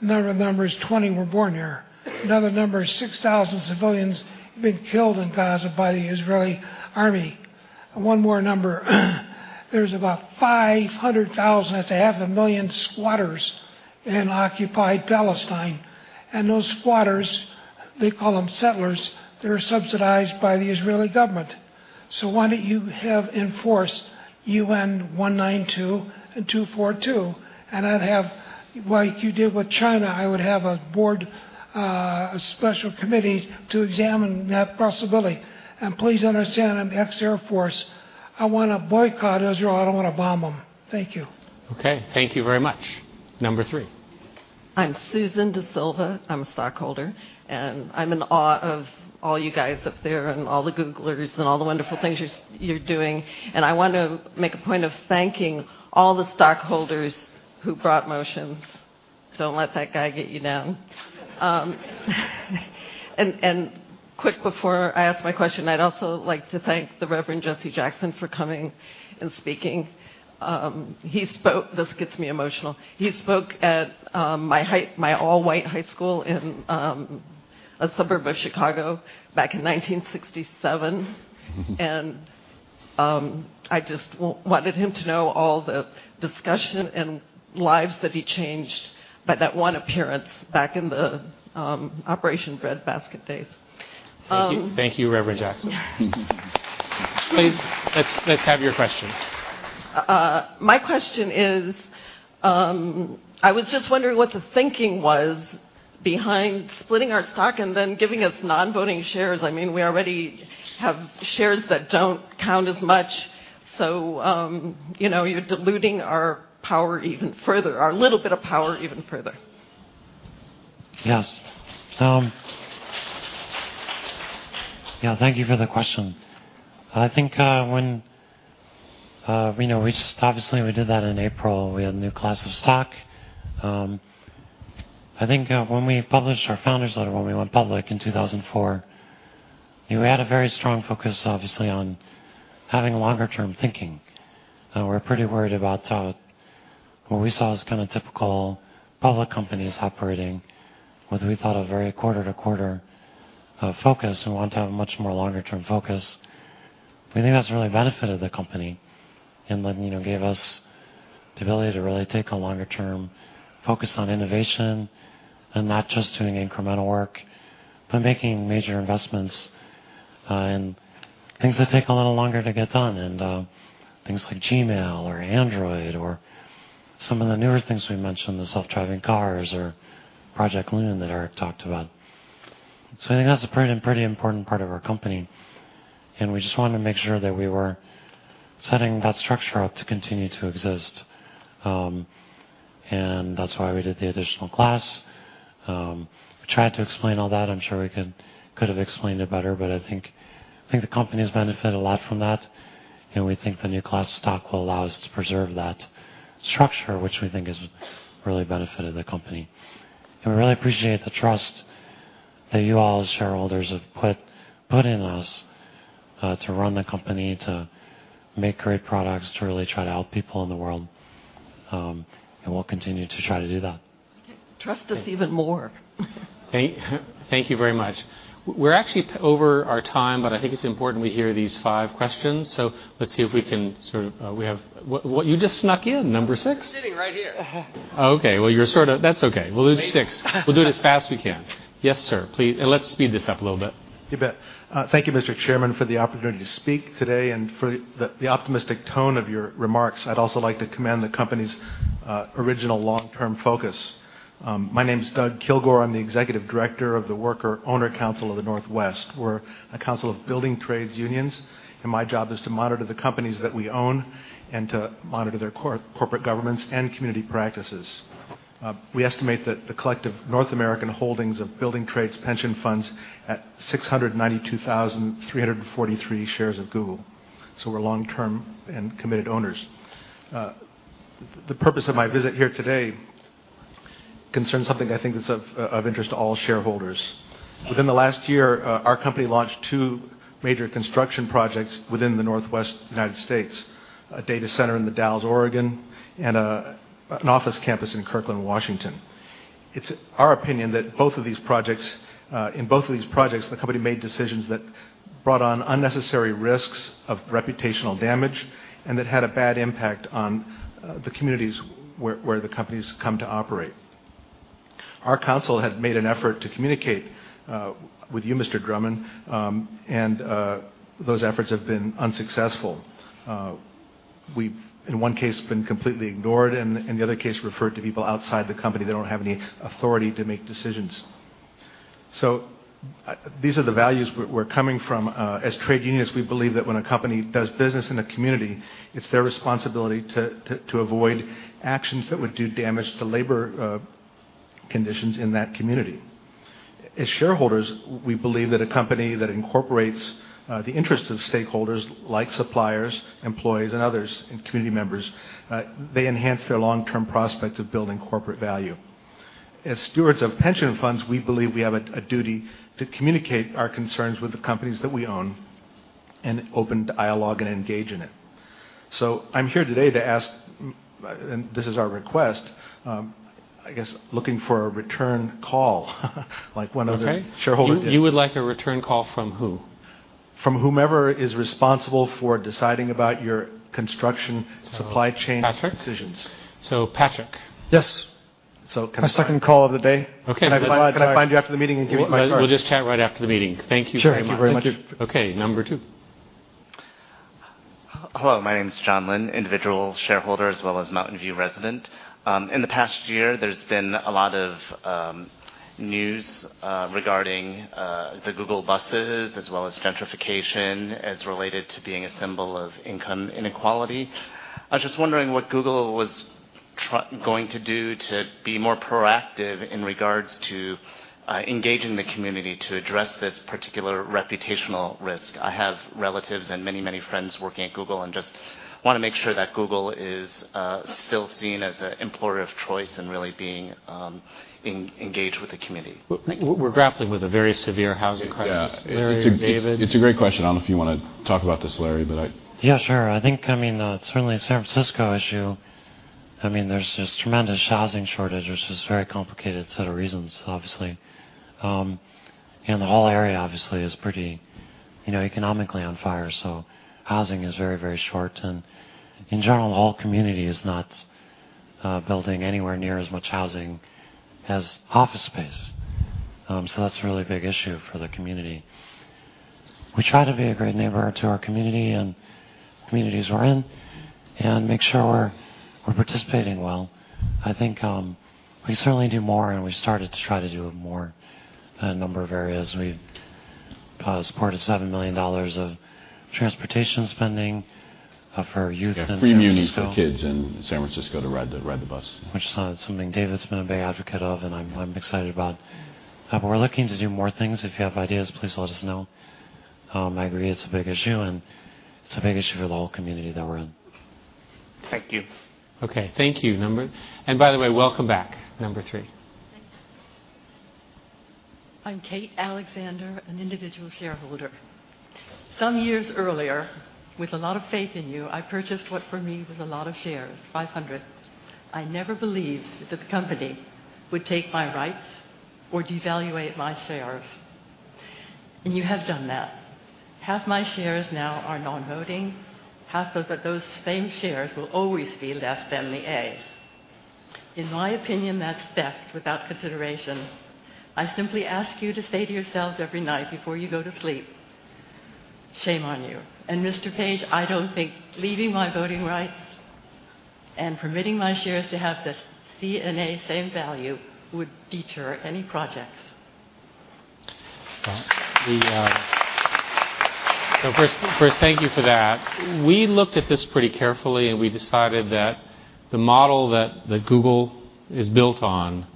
Another number is 20% were born here. Another number is 6,000 civilians have been killed in Gaza by the Israeli army. One more number. There are about 500,000, that's half a million squatters in occupied Palestine. Those squatters, they call them settlers, they are subsidized by the Israeli government. Why don't you have enforced U.N. 192 and 242? Like you did with China, I would have a board, a special committee to examine that possibility. Please understand, I am ex-Air Force. I want to boycott Israel. I do not want to bomb them. Thank you. Okay. Thank you very much. Number three. I'm Susan da Silva. I'm a stockholder. And I'm in awe of all you guys up there and all the Googlers and all the wonderful things you're doing. And I want to make a point of thanking all the stockholders who brought motions. Don't let that guy get you down. And quick, before I ask my question, I'd also like to thank the Reverend Jesse Jackson for coming and speaking. This gets me emotional. He spoke at my all-white high school in a suburb of Chicago back in 1967. And I just wanted him to know all the discussion and lives that he changed by that one appearance back in the Operation Breadbasket days. Thank you. Thank you, Reverend Jackson. Please, let's have your question. My question is, I was just wondering what the thinking was behind splitting our stock and then giving us non-voting shares. I mean, we already have shares that don't count as much. So you're diluting our power even further, our little bit of power even further. Yes. Yeah. Thank you for the question. I think when we just obviously, we did that in April. We had a new class of stock. I think when we published our founders' letter, when we went public in 2004, we had a very strong focus, obviously, on having longer-term thinking. We're pretty worried about what we saw as kind of typical public companies operating, whether we thought of very quarter-to-quarter focus and want to have a much more longer-term focus. We think that's really benefited the company and then gave us the ability to really take a longer-term focus on innovation and not just doing incremental work, but making major investments in things that take a little longer to get done. And things like Gmail or Android or some of the newer things we mentioned, the self-driving cars or Project Loon that Eric talked about. So I think that's a pretty important part of our company. And we just wanted to make sure that we were setting that structure up to continue to exist. And that's why we did the additional class. We tried to explain all that. I'm sure we could have explained it better, but I think the company has benefited a lot from that. And we think the new class of stock will allow us to preserve that structure, which we think has really benefited the company. And we really appreciate the trust that you all, as shareholders, have put in us to run the company, to make great products, to really try to help people in the world. And we'll continue to try to do that. Trust us even more. Thank you very much. We're actually over our time, but I think it's important we hear these five questions. So let's see if we can sort of what you just snuck in, number six. I'm sitting right here. Okay. Well, you're sort of that's okay. We'll do six. We'll do it as fast as we can. Yes, sir. Please. And let's speed this up a little bit. You bet. Thank you, Mr. Chairman, for the opportunity to speak today and for the optimistic tone of your remarks. I'd also like to commend the company's original long-term focus. My name is Doug Kilgore. I'm the Executive Director of the Worker Owner Council of the Northwest. We're a council of building trades unions, and my job is to monitor the companies that we own and to monitor their corporate governance and community practices. We estimate that the collective North American holdings of Building Trades Pension Funds at 692,343 shares of Google. So we're long-term and committed owners. The purpose of my visit here today concerns something I think that's of interest to all shareholders. Within the last year, our company launched two major construction projects within the Northwest United States: a data center in The Dalles, Oregon, and an office campus in Kirkland, Washington. It's our opinion that both of these projects, the company made decisions that brought on unnecessary risks of reputational damage and that had a bad impact on the communities where the companies come to operate. Our council had made an effort to communicate with you, Mr. Drummond, and those efforts have been unsuccessful. We've, in one case, been completely ignored and, in the other case, referred to people outside the company that don't have any authority to make decisions. So these are the values we're coming from as trade unions. We believe that when a company does business in a community, it's their responsibility to avoid actions that would do damage to labor conditions in that community. As shareholders, we believe that a company that incorporates the interests of stakeholders like suppliers, employees, and others and community members, they enhance their long-term prospects of building corporate value. As stewards of pension funds, we believe we have a duty to communicate our concerns with the companies that we own and open dialogue and engage in it. So I'm here today to ask, and this is our request, I guess, looking for a return call like one of the shareholders. Okay. You would like a return call from who? From whomever is responsible for deciding about your construction supply chain decisions. Patrick? So Patrick. Yes. So can I? My second call of the day. Okay. Can I find you after the meeting and give you my card? We'll just chat right after the meeting. Thank you very much. Sure. Thank you very much. Okay. Number two. Hello. My name is John Lynn, individual shareholder as well as Mountain View resident. In the past year, there's been a lot of news regarding the Google buses as well as gentrification as related to being a symbol of income inequality. I was just wondering what Google was going to do to be more proactive in regards to engaging the community to address this particular reputational risk. I have relatives and many, many friends working at Google and just want to make sure that Google is still seen as an employer of choice and really being engaged with the community. We're grappling with a very severe housing crisis. Larry, David? It's a great question. I don't know if you want to talk about this, Larry? Yeah, sure. I think, I mean, certainly San Francisco issue. I mean, there's just tremendous housing shortage, which is a very complicated set of reasons, obviously. And the whole area, obviously, is pretty economically on fire. So housing is very, very short. And in general, the whole community is not building anywhere near as much housing as office space. So that's a really big issue for the community. We try to be a great neighbor to our community and communities we're in and make sure we're participating well. I think we certainly do more, and we started to try to do it more in a number of areas. We've supported $7 million of transportation spending for youth and school. Yeah, three communities for kids in San Francisco to ride the bus. Which is something David's been a big advocate of, and I'm excited about. But we're looking to do more things. If you have ideas, please let us know. I agree it's a big issue, and it's a big issue for the whole community that we're in. Thank you. Okay. Thank you. And by the way, welcome back, number three. I'm Kate Alexander, an individual shareholder. Some years earlier, with a lot of faith in you, I purchased what for me was a lot of shares, 500. I never believed that the company would take my rights or devalue my shares, and you have done that. Half my shares now are non-voting. Half of those same shares will always be left in the A. In my opinion, that's theft without consideration. I simply ask you to say to yourselves every night before you go to sleep, "Shame on you." And Mr. Page, I don't think leaving my voting rights and permitting my shares to have the C and A same value would deter any projects. So first, thank you for that. We looked at this pretty carefully, and we decided that the model that Google is built on,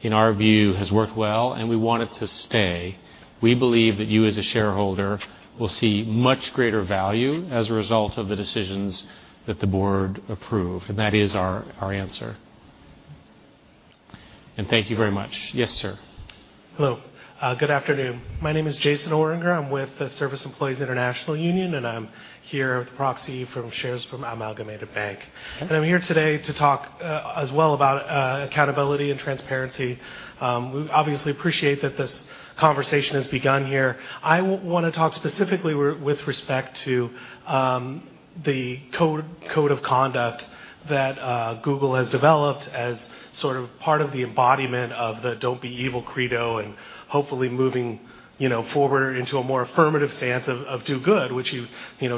in our view, has worked well, and we want it to stay. We believe that you, as a shareholder, will see much greater value as a result of the decisions that the board approved. And that is our answer. And thank you very much. Yes, sir. Hello. Good afternoon. My name is Jason Oringer. I'm with the Service Employees International Union, and I'm here with a proxy from shares from Amalgamated Bank, and I'm here today to talk as well about accountability and transparency. We obviously appreciate that this conversation has begun here. I want to talk specifically with respect to the Code of Conduct that Google has developed as sort of part of the embodiment of the "Don't Be Evil" credo and hopefully moving forward into a more affirmative stance of do good, which you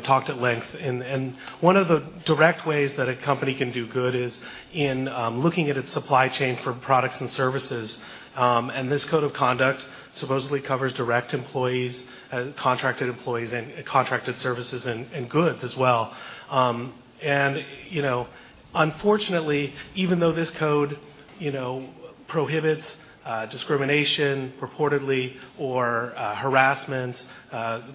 talked at length, and one of the direct ways that a company can do good is in looking at its supply chain for products and services, and this Code of Conduct supposedly covers direct employees, contracted employees, and contracted services and goods as well. Unfortunately, even though this code prohibits discrimination, purportedly, or harassment,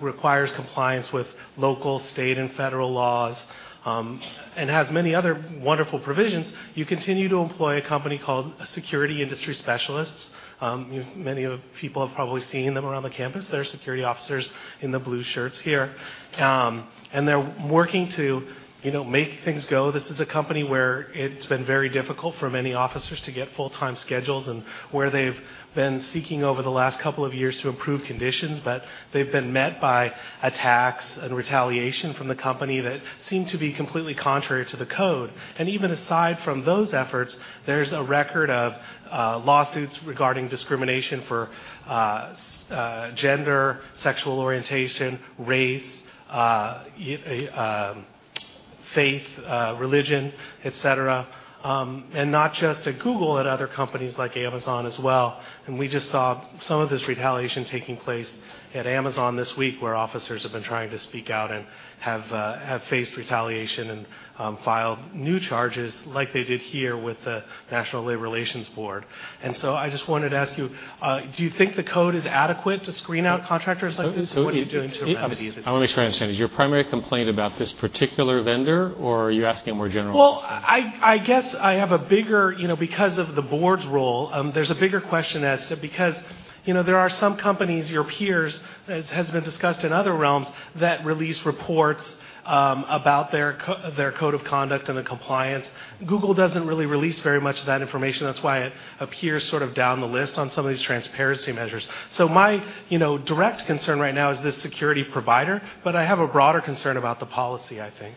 requires compliance with local, state, and federal laws, and has many other wonderful provisions, you continue to employ a company called Security Industry Specialists. Many people have probably seen them around the campus. They're security officers in the blue shirts here. They're working to make things go. This is a company where it's been very difficult for many officers to get full-time schedules and where they've been seeking over the last couple of years to improve conditions, but they've been met by attacks and retaliation from the company that seem to be completely contrary to the code. Even aside from those efforts, there's a record of lawsuits regarding discrimination for gender, sexual orientation, race, faith, religion, et cetera. Not just at Google, at other companies like Amazon as well. And we just saw some of this retaliation taking place at Amazon this week, where officers have been trying to speak out and have faced retaliation and filed new charges like they did here with the National Labor Relations Board. And so I just wanted to ask you, do you think the code is adequate to screen out contractors like this? What are you doing to remind me of this? I want to make sure I understand. Is your primary complaint about this particular vendor, or are you asking a more general question? Well, I guess I have a bigger because of the board's role, there's a bigger question as to because there are some companies, your peers, as has been discussed in other realms, that release reports about their Code of Conduct and the compliance. Google doesn't really release very much of that information. That's why it appears sort of down the list on some of these transparency measures. So my direct concern right now is this security provider, but I have a broader concern about the policy, I think.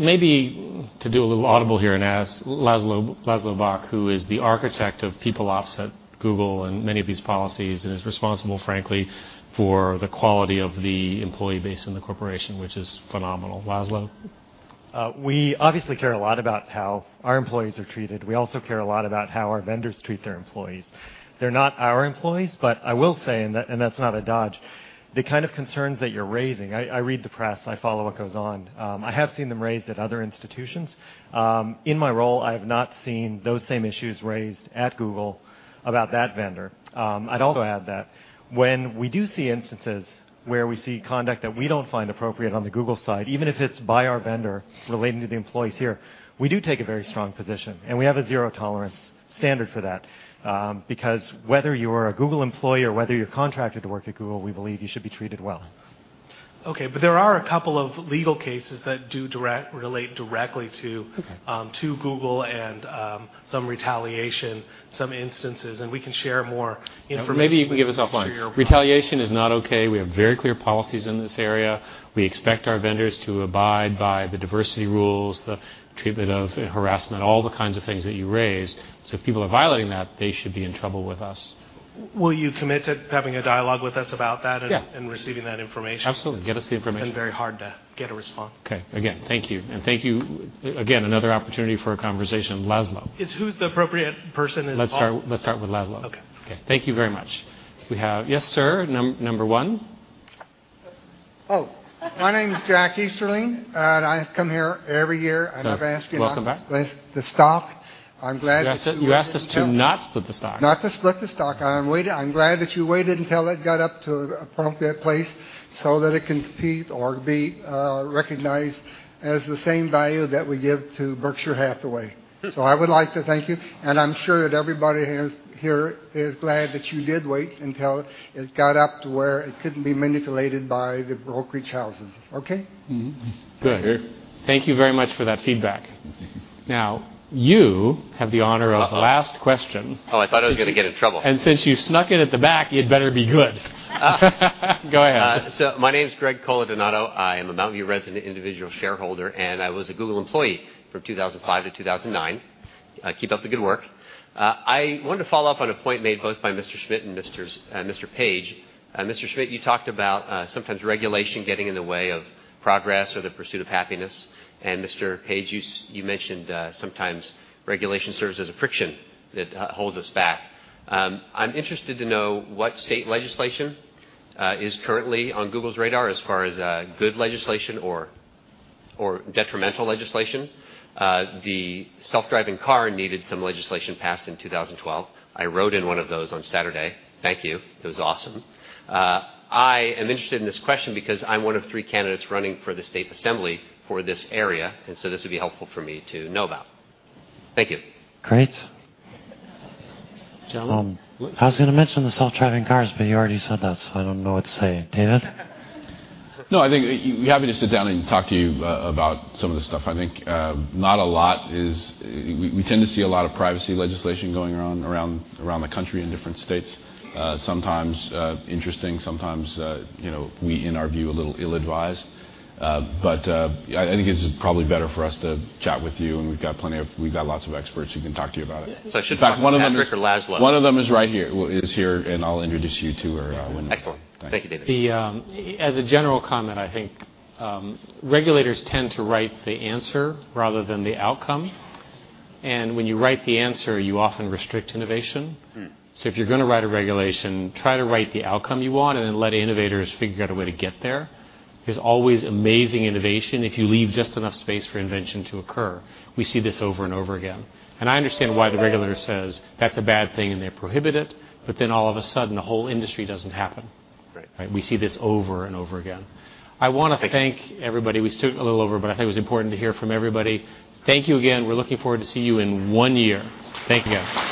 Maybe to do a little audible here and ask Laszlo Bock, who is the architect of People Ops at Google and many of these policies and is responsible, frankly, for the quality of the employee base in the corporation, which is phenomenal. Laszlo? We obviously care a lot about how our employees are treated. We also care a lot about how our vendors treat their employees. They're not our employees, but I will say, and that's not a dodge, the kind of concerns that you're raising, I read the press. I follow what goes on. I have seen them raised at other institutions. In my role, I have not seen those same issues raised at Google about that vendor. I'd also add that when we do see instances where we see conduct that we don't find appropriate on the Google side, even if it's by our vendor relating to the employees here, we do take a very strong position. And we have a zero tolerance standard for that because whether you're a Google employee or whether you're contracted to work at Google, we believe you should be treated well. Okay. But there are a couple of legal cases that do relate directly to Google and some retaliation, some instances, and we can share more information. Maybe you can give us offline. Retaliation is not okay. We have very clear policies in this area. We expect our vendors to abide by the diversity rules, the treatment of harassment, all the kinds of things that you raised. So if people are violating that, they should be in trouble with us. Will you commit to having a dialogue with us about that and receiving that information? Yeah. Absolutely. Get us the information. It's been very hard to get a response. Okay. Again, thank you. And thank you again. Another opportunity for a conversation. Laszlo? Who's the appropriate person as well? Let's start with Laszlo. Okay. Okay. Thank you very much. We have yes, sir. Number one. Oh. My name's Jack Easterling, and I come here every year. I never ask you not to split the stock. I'm glad that you. You asked us to not split the stock. Not to split the stock. I'm glad that you waited until it got up to an appropriate place so that it can compete or be recognized as the same value that we give to Berkshire Hathaway. So I would like to thank you. And I'm sure that everybody here is glad that you did wait until it got up to where it couldn't be manipulated by the brokerage houses. Okay? Good. Thank you very much for that feedback. Now, you have the honor of the last question. Oh, I thought I was going to get in trouble. And since you snuck it at the back, you'd better be good. Go ahead. So my name's Greg Coladonato. I am a Mountain View resident, individual shareholder, and I was a Google employee from 2005 to 2009. Keep up the good work. I wanted to follow up on a point made both by Mr. Schmidt and Mr. Page. Mr. Schmidt, you talked about sometimes regulation getting in the way of progress or the pursuit of happiness. And Mr. Page, you mentioned sometimes regulation serves as a friction that holds us back. I'm interested to know what state legislation is currently on Google's radar as far as good legislation or detrimental legislation. The self-driving car needed some legislation passed in 2012. I wrote in one of those on Saturday. Thank you. It was awesome. I am interested in this question because I'm one of three candidates running for the State Assembly for this area, and so this would be helpful for me to know about. Thank you. Great. John? I was going to mention the self-driving cars, but you already said that, so I don't know what to say. David? No, I think we're happy to sit down and talk to you about some of the stuff. I think not a lot is we tend to see a lot of privacy legislation going on around the country in different states. Sometimes interesting, sometimes we, in our view, a little ill-advised. But I think it's probably better for us to chat with you, and we've got lots of experts who can talk to you about it. So I should talk to Patrick or Laszlo. One of them is right here, and I'll introduce you to her when. Excellent. Thank you, David. As a general comment, I think regulators tend to write the answer rather than the outcome. And when you write the answer, you often restrict innovation. So if you're going to write a regulation, try to write the outcome you want and then let innovators figure out a way to get there. There's always amazing innovation if you leave just enough space for invention to occur. We see this over and over again. And I understand why the regulator says that's a bad thing and they prohibit it, but then all of a sudden, the whole industry doesn't happen. We see this over and over again. I want to thank everybody. We stood a little over, but I think it was important to hear from everybody. Thank you again. We're looking forward to see you in one year. Thank you again.